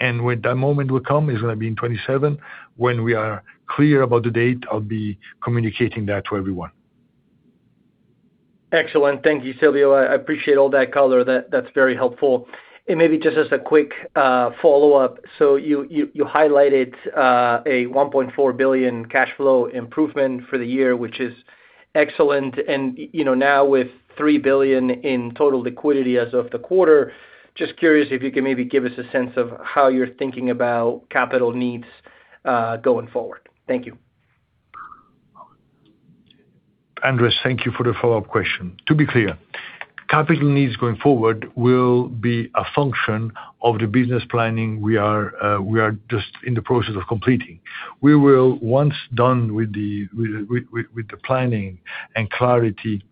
When that moment will come, it's going to be in 2027, when we are clear about the date, I'll be communicating that to everyone. Excellent. Thank you, Silvio. I appreciate all that color. That's very helpful. Maybe just as a quick follow-up. You highlighted a $1.4 billion cash flow improvement for the year, which is excellent. Now with $3 billion in total liquidity as of the quarter, just curious if you can maybe give us a sense of how you're thinking about capital needs going forward. Thank you. Andres, thank you for the follow-up question. To be clear, capital needs going forward will be a function of the business planning we are just in the process of completing. We will once done with the planning and clarity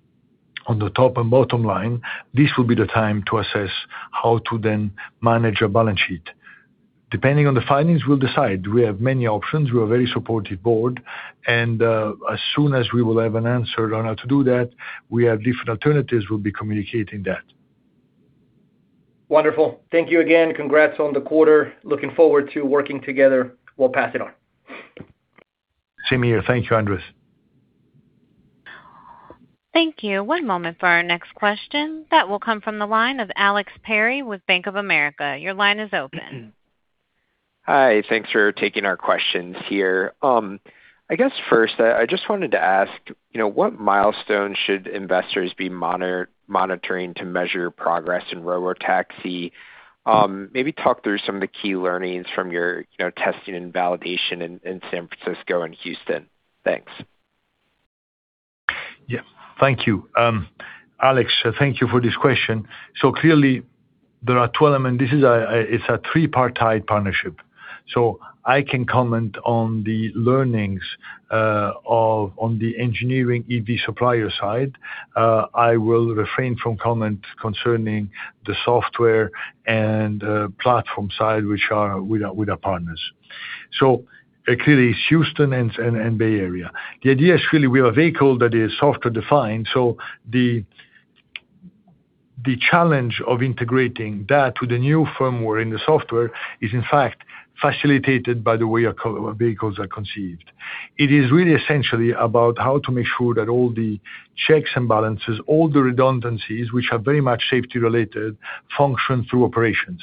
on the top and bottom line, this will be the time to assess how to then manage a balance sheet. Depending on the findings, we'll decide. We have many options. We have a very supportive Board, as soon as we will have an answer on how to do that, we have different alternatives, we'll be communicating that. Wonderful. Thank you again. Congrats on the quarter. Looking forward to working together. We'll pass it on. Same here. Thank you, Andres. Thank you. One moment for our next question. That will come from the line of Alex Perry with Bank of America. Your line is open. Hi. Thanks for taking our questions here. I guess first, I just wanted to ask, what milestones should investors be monitoring to measure progress in robotaxi? Maybe talk through some of the key learnings from your testing and validation in San Francisco and Houston. Thanks. Yeah. Thank you. Alex, thank you for this question. Clearly, there are two elements. This is a tripartite partnership. I can comment on the learnings on the engineering EV supplier side. I will refrain from comment concerning the software and platform side, which are with our partners. Clearly, it's Houston and Bay Area. The idea is clearly we are a vehicle that is software-defined, the challenge of integrating that with the new firmware in the software is in fact facilitated by the way our vehicles are conceived. It is really essentially about how to make sure that all the checks and balances, all the redundancies, which are very much safety related, function through operations.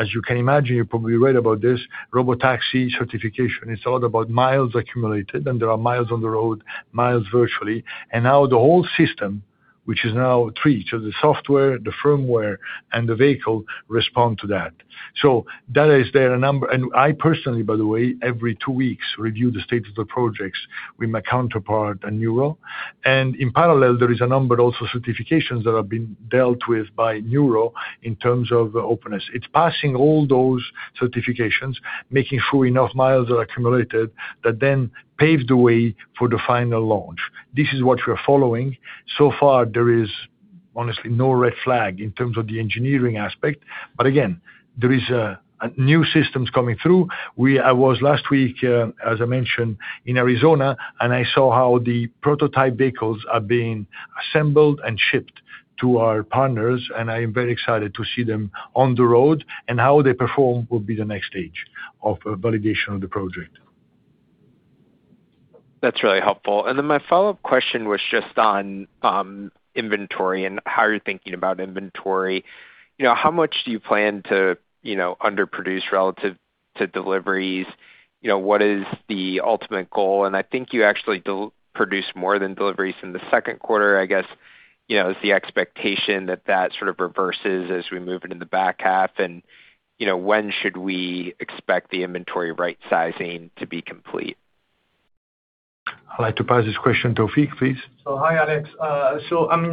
As you can imagine, you probably read about this, robotaxi certification, it's a lot about miles accumulated, there are miles on the road, miles virtually, and now the whole system, which is now three, so the software, the firmware, and the vehicle respond to that. That is there a number. I personally, by the way, every two weeks review the state of the projects with my counterpart at Nuro. In parallel, there is a number also of certifications that have been dealt with by Nuro in terms of openness. It's passing all those certifications, making sure enough miles are accumulated that then paves the way for the final launch. This is what we're following. So far, there is honestly no red flag in terms of the engineering aspect, but again, there is new systems coming through. I was, last week, as I mentioned, in Arizona, and I saw how the prototype vehicles are being assembled and shipped to our partners, and I am very excited to see them on the road, and how they perform will be the next stage of validation of the project. That's really helpful. Then my follow-up question was just on inventory and how you're thinking about inventory. How much do you plan to under produce relative to deliveries? What is the ultimate goal? I think you actually produce more than deliveries in the second quarter, I guess, is the expectation that that sort of reverses as we move into the back half. When should we expect the inventory right-sizing to be complete? I'd like to pass this question to Taoufiq, please. Hi, Alex.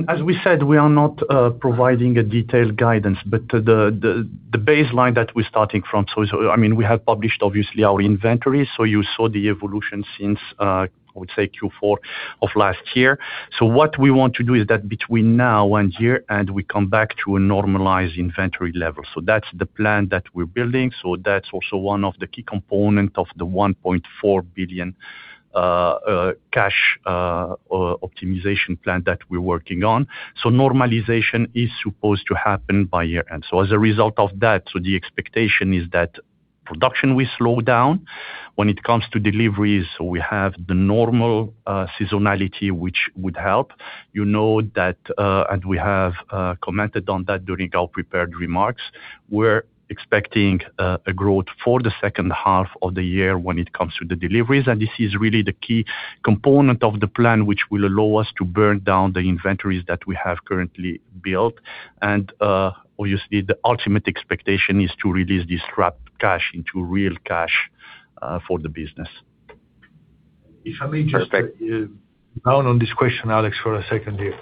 As we said, we are not providing a detailed guidance, but the baseline that we're starting from, we have published obviously our inventory. You saw the evolution since, I would say Q4 of last year. What we want to do is that between now and year end, we come back to a normalized inventory level. That's the plan that we're building. That's also one of the key component of the $1.4 billion cash optimization plan that we're working on. Normalization is supposed to happen by year end. As a result of that, the expectation is that production will slow down. When it comes to deliveries, we have the normal seasonality, which would help. You know that, and we have commented on that during our prepared remarks. We're expecting a growth for the second half of the year when it comes to the deliveries, this is really the key component of the plan, which will allow us to burn down the inventories that we have currently built. Obviously, the ultimate expectation is to release this trapped cash into real cash for the business. Perfect. If I may just, down on this question, Alex, for a second here.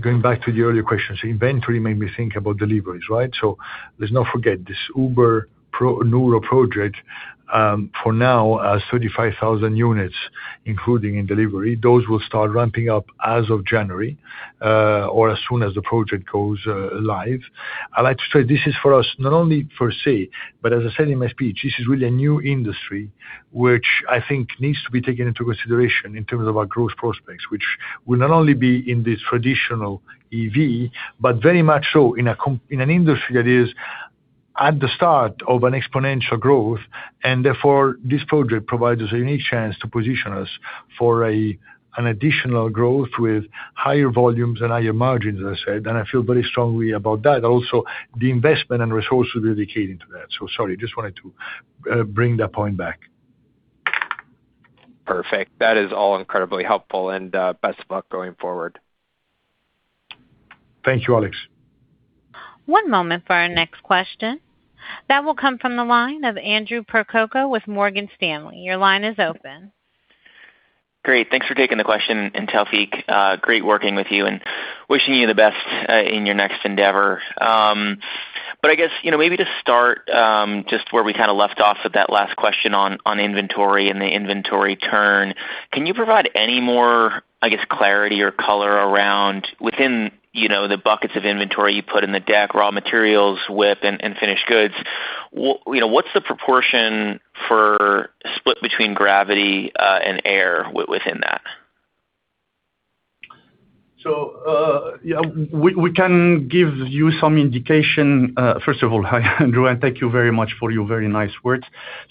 Going back to the earlier question. Inventory made me think about deliveries, right? Let's not forget this Uber Nuro project, for now, has 35,000 units, including in delivery. Those will start ramping up as of January, or as soon as the project goes live. I'd like to say, this is for us, not only for C, but as I said in my speech, this is really a new industry, which I think needs to be taken into consideration in terms of our growth prospects, which will not only be in this traditional EV, but very much so in an industry that is at the start of an exponential growth. Therefore, this project provides us a unique chance to position us for an additional growth with higher volumes and higher margins, as I said. I feel very strongly about that. Also, the investment and resources we are dedicating to that. Sorry, just wanted to bring that point back. Perfect. That is all incredibly helpful, best of luck going forward. Thank you, Alex. One moment for our next question. That will come from the line of Andrew Percoco with Morgan Stanley. Your line is open. Great. Thanks for taking the question. Taoufiq, great working with you and wishing you the best, in your next endeavor. I guess, maybe to start, just where we kind of left off with that last question on inventory and the inventory turn, can you provide any more, I guess, clarity or color around within the buckets of inventory you put in the deck, raw materials, WIP, and finished goods? What's the proportion for split between Gravity and Air within that? We can give you some indication. First of all, hi, Andrew, and thank you very much for your very nice words.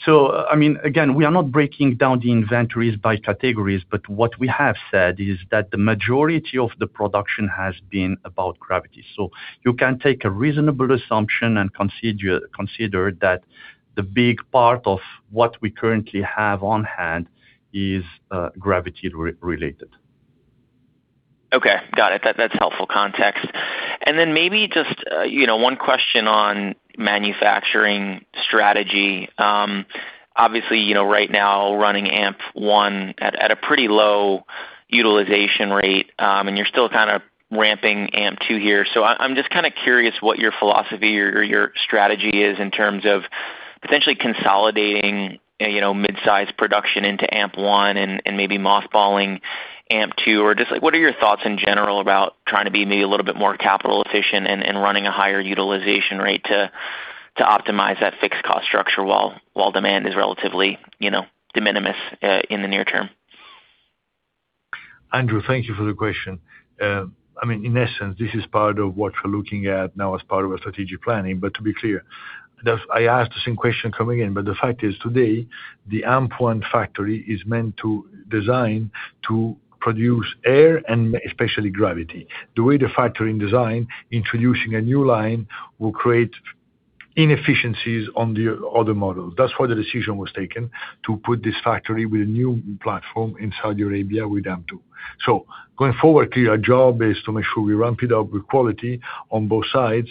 Again, we are not breaking down the inventories by categories, but what we have said is that the majority of the production has been about Gravity. You can take a reasonable assumption and consider that the big part of what we currently have on hand is Gravity related. Okay, got it. That's helpful context. Then maybe just one question on manufacturing strategy. Obviously, right now running AMP-1 at a pretty low utilization rate, and you're still kind of ramping AMP-2 here. I'm just kind of curious what your philosophy or your strategy is in terms of potentially consolidating Midsize production into AMP-1 and maybe mothballing AMP-2, or just like, what are your thoughts in general about trying to be maybe a little bit more capital efficient and running a higher utilization rate to optimize that fixed cost structure while demand is relatively de minimis, in the near term? Andrew, thank you for the question. In essence, this is part of what we're looking at now as part of our strategic planning. To be clear, I have the same question coming in, but the fact is today, the AMP-1 factory is meant to design to produce Air and especially Gravity. The way the factory is designed, introducing a new line will create inefficiencies on the other models. That's why the decision was taken to put this factory with a new platform in Saudi Arabia with AMP-2. Going forward, our job is to make sure we ramp it up with quality on both sides.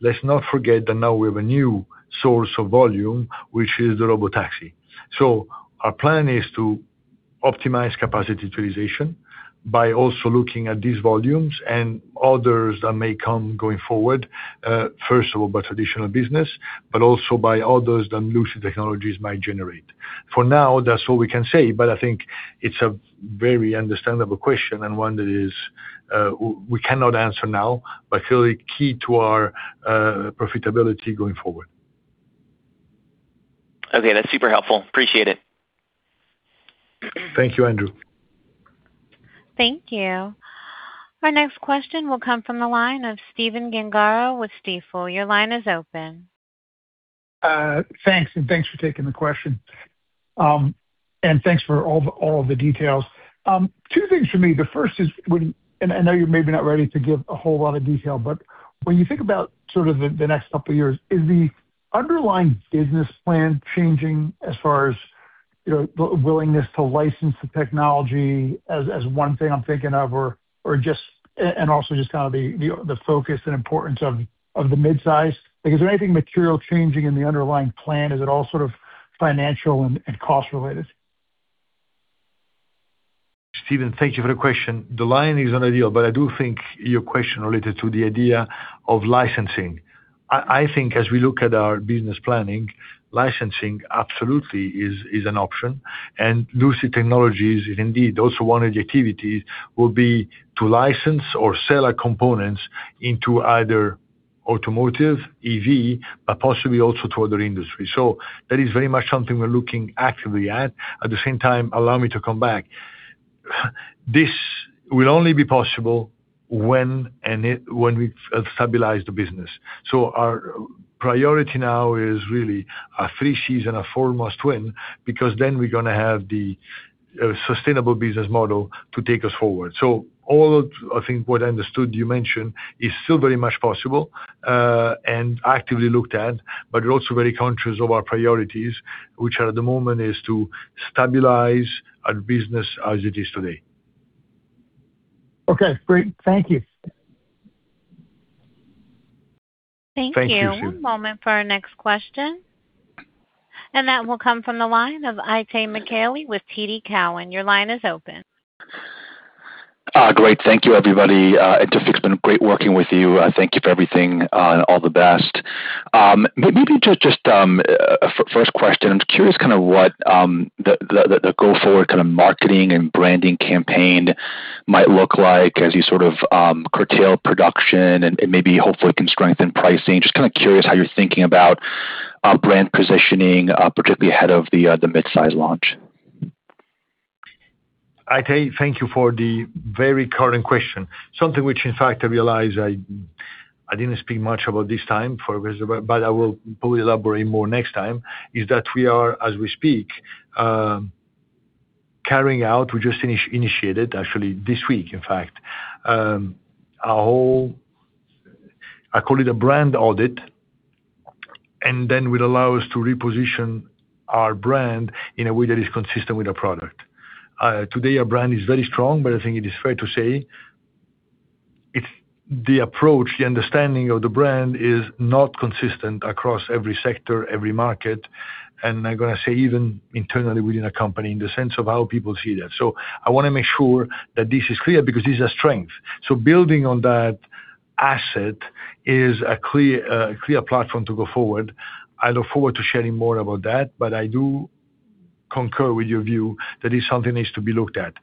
Let's not forget that now we have a new source of volume, which is the robotaxi. Our plan is to optimize capacity utilization by also looking at these volumes and others that may come going forward, first of all, by traditional business, but also by others that Lucid Technologies might generate. For now, that's all we can say, but I think it's a very understandable question and one that is, we cannot answer now, but feel it key to our profitability going forward. Okay. That's super helpful. Appreciate it. Thank you, Andrew. Thank you. Our next question will come from the line of Stephen Gengaro with Stifel. Your line is open. Thanks, and thanks for taking the question. Thanks for all of the details. Two things for me. The first is when, and I know you're maybe not ready to give a whole lot of detail, but when you think about the next couple of years, is the underlying business plan changing as far as willingness to license the technology as one thing I'm thinking of, and also just the focus and importance of the Midsize? Is there anything material changing in the underlying plan? Is it all sort of financial and cost related? Stephen, thank you for the question. The line is not ideal, but I do think your question related to the idea of licensing. I think as we look at our business planning, licensing absolutely is an option. Lucid Technologies is indeed, those one activities will be to license or sell our components into either automotive EV, but possibly also to other industries. That is very much something we're looking actively at. At the same time, allow me to come back. This will only be possible when we've stabilized the business. Our priority now is really a three season, a four must win, because then we're going to have the sustainable business model to take us forward. All of, I think what I understood you mentioned, is still very much possible, and actively looked at, but we're also very conscious of our priorities, which are at the moment is to stabilize our business as it is today. Okay, great. Thank you. Thank you. Thank you. One moment for our next question, that will come from the line of Itay Michaeli with TD Cowen. Your line is open. Great. Thank you everybody. It's been great working with you. Thank you for everything, all the best. Maybe just, first question, I'm curious what the go forward kind of marketing and branding campaign might look like as you sort of curtail production and maybe hopefully can strengthen pricing. Just kind of curious how you're thinking about brand positioning, particularly ahead of the Midsize launch. Itay, thank you for the very current question. Something which in fact I realize I didn't speak much about this time for, I will probably elaborate more next time, is that we are, as we speak, carrying out, we just initiated actually this week, in fact, a whole I call it a brand audit, then will allow us to reposition our brand in a way that is consistent with our product. Today our brand is very strong, I think it is fair to say the approach, the understanding of the brand is not consistent across every sector, every market, I'm going to say even internally within a company in the sense of how people see that. I want to make sure that this is clear because this is a strength. Building on that asset is a clear platform to go forward. I look forward to sharing more about that. I do concur with your view that it's something needs to be looked at.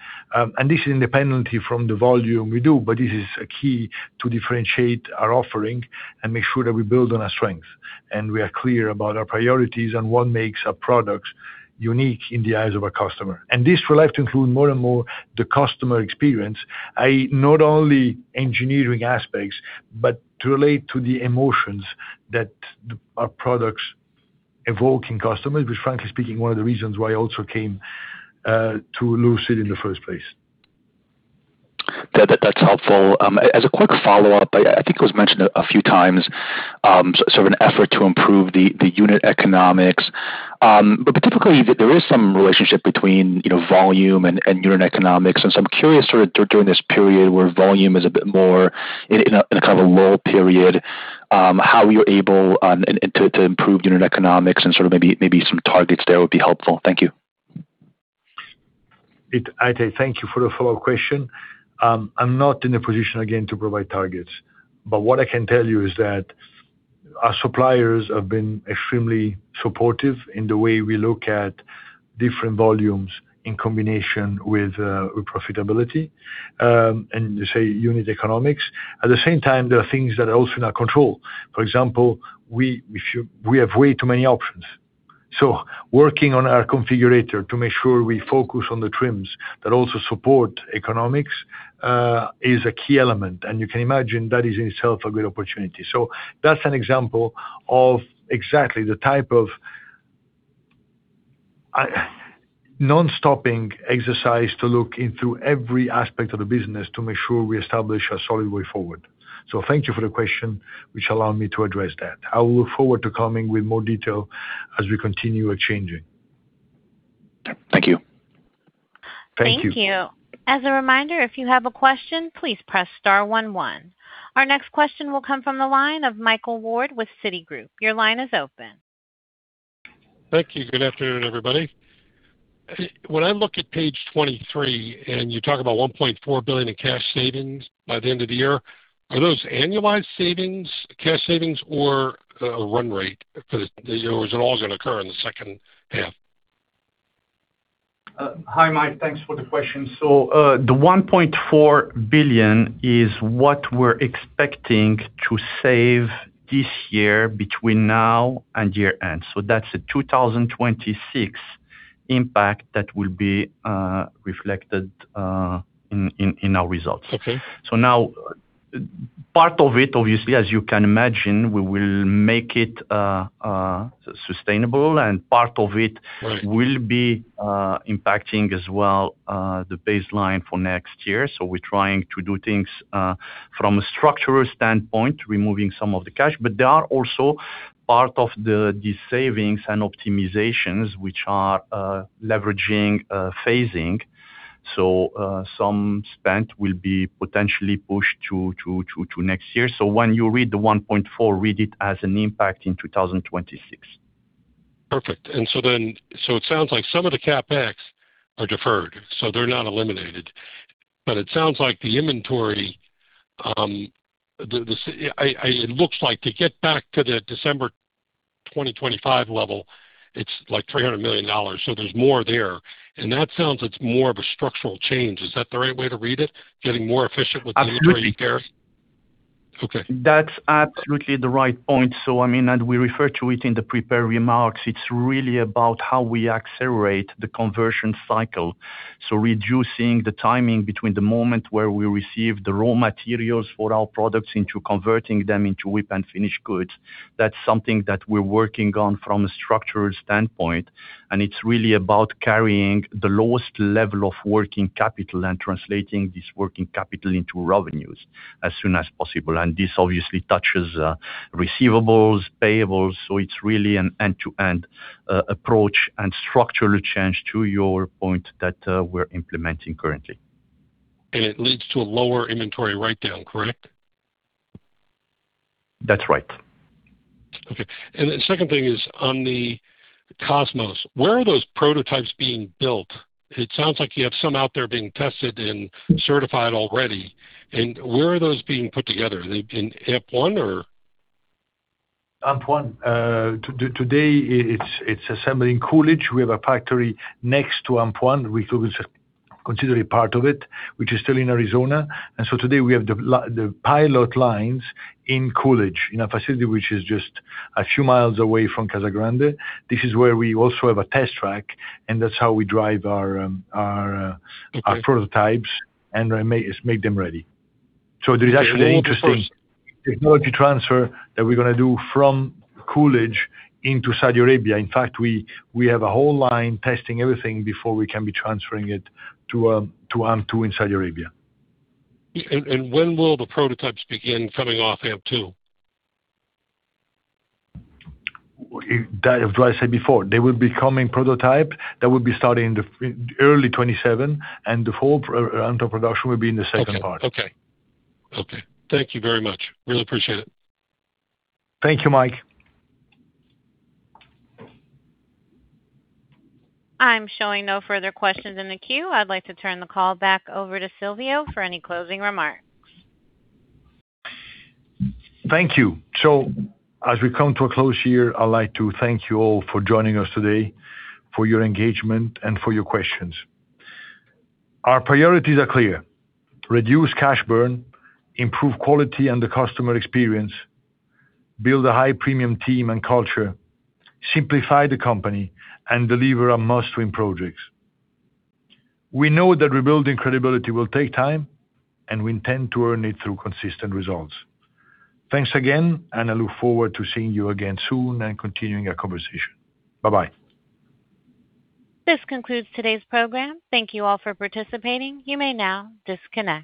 This is independently from the volume we do, this is a key to differentiate our offering and make sure that we build on our strength, we are clear about our priorities and what makes our products unique in the eyes of our customer. This will have to include more and more the customer experience, not only engineering aspects, but to relate to the emotions that our products evoke in customers, which frankly speaking, one of the reasons why I also came to Lucid in the first place. That's helpful. As a quick follow-up, I think it was mentioned a few times, sort of an effort to improve the unit economics. Typically, there is some relationship between volume and unit economics. I'm curious sort of during this period where volume is a bit more in a kind of a lull period, how you're able to improve unit economics and sort of maybe some targets there would be helpful. Thank you. Itay, thank you for the follow-up question. I'm not in a position again to provide targets. What I can tell you is that our suppliers have been extremely supportive in the way we look at different volumes in combination with profitability, and say unit economics. At the same time, there are things that are also in our control. For example, we have way too many options. Working on our configurator to make sure we focus on the trims that also support economics, is a key element. You can imagine that is in itself a great opportunity. That's an example of exactly the type of non-stopping exercise to look into every aspect of the business to make sure we establish a solid way forward. Thank you for the question, which allow me to address that. I will look forward to coming with more detail as we continue changing. Thank you. Thank you. Thank you. As a reminder, if you have a question, please press star one. Our next question will come from the line of Michael Ward with Citigroup. Your line is open. Thank you. Good afternoon, everybody. When I look at page 23, and you talk about $1.4 billion in cash savings by the end of the year, are those annualized savings, cash savings, or a run rate? Is it all going to occur in the second half? Hi, Mike. Thanks for the question. The $1.4 billion is what we're expecting to save this year between now and year-end. That's a 2026 impact that will be reflected in our results. Okay. Now, part of it, obviously, as you can imagine, we will make it sustainable. Right Part of it will be impacting as well, the baseline for next year. We're trying to do things from a structural standpoint, removing some of the cash. There are also part of these savings and optimizations, which are leveraging phasing. Some spend will be potentially pushed to next year. When you read the $1.4 billion, read it as an impact in 2026. Perfect. It sounds like some of the CapEx are deferred, they're not eliminated. It sounds like the inventory, it looks like to get back to the December 2025 level, it's like $300 million. There's more there. That sounds, it's more of a structural change. Is that the right way to read it? Absolutely ...getting more efficient with the [inventory there]? That's absolutely the right point. We refer to it in the prepared remarks. It's really about how we accelerate the conversion cycle. Reducing the timing between the moment where we receive the raw materials for our products into converting them into WIP and finished goods. That's something that we're working on from a structural standpoint, and it's really about carrying the lowest level of working capital and translating this working capital into revenues as soon as possible. This obviously touches receivables, payables. It's really an end-to-end approach and structural change to your point that we're implementing currently. It leads to a lower inventory write-down, correct? That's right. The second thing is on the Cosmos. Where are those prototypes being built? It sounds like you have some out there being tested and certified already. Where are those being put together? Are they in AMP-1 or? AMP-1. Today, it's assembled in Coolidge. We have a factory next to AMP-1, which we consider a part of it, which is still in Arizona. Today we have the pilot lines in Coolidge, in a facility which is just a few miles away from Casa Grande. This is where we also have a test track. That's how we drive our prototypes. Okay Make them ready. There is actually an interesting technology transfer that we're going to do from Coolidge into Saudi Arabia. In fact, we have a whole line testing everything before we can be transferring it to AMP-2 in Saudi Arabia. When will the prototypes begin coming off AMP-2? As I said before, they will be coming prototype. That will be starting in early 2027, and the full AMP production will be in the second part. Okay. Thank you very much. Really appreciate it. Thank you, Mike. I'm showing no further questions in the queue. I'd like to turn the call back over to Silvio for any closing remarks. Thank you. As we come to a close here, I'd like to thank you all for joining us today, for your engagement and for your questions. Our priorities are clear: reduce cash burn, improve quality and the customer experience, build a high-premium team and culture, simplify the company, and deliver our must-win projects. We know that rebuilding credibility will take time, and we intend to earn it through consistent results. Thanks again. I look forward to seeing you again soon and continuing our conversation. Bye-bye. This concludes today's program. Thank you all for participating. You may now disconnect.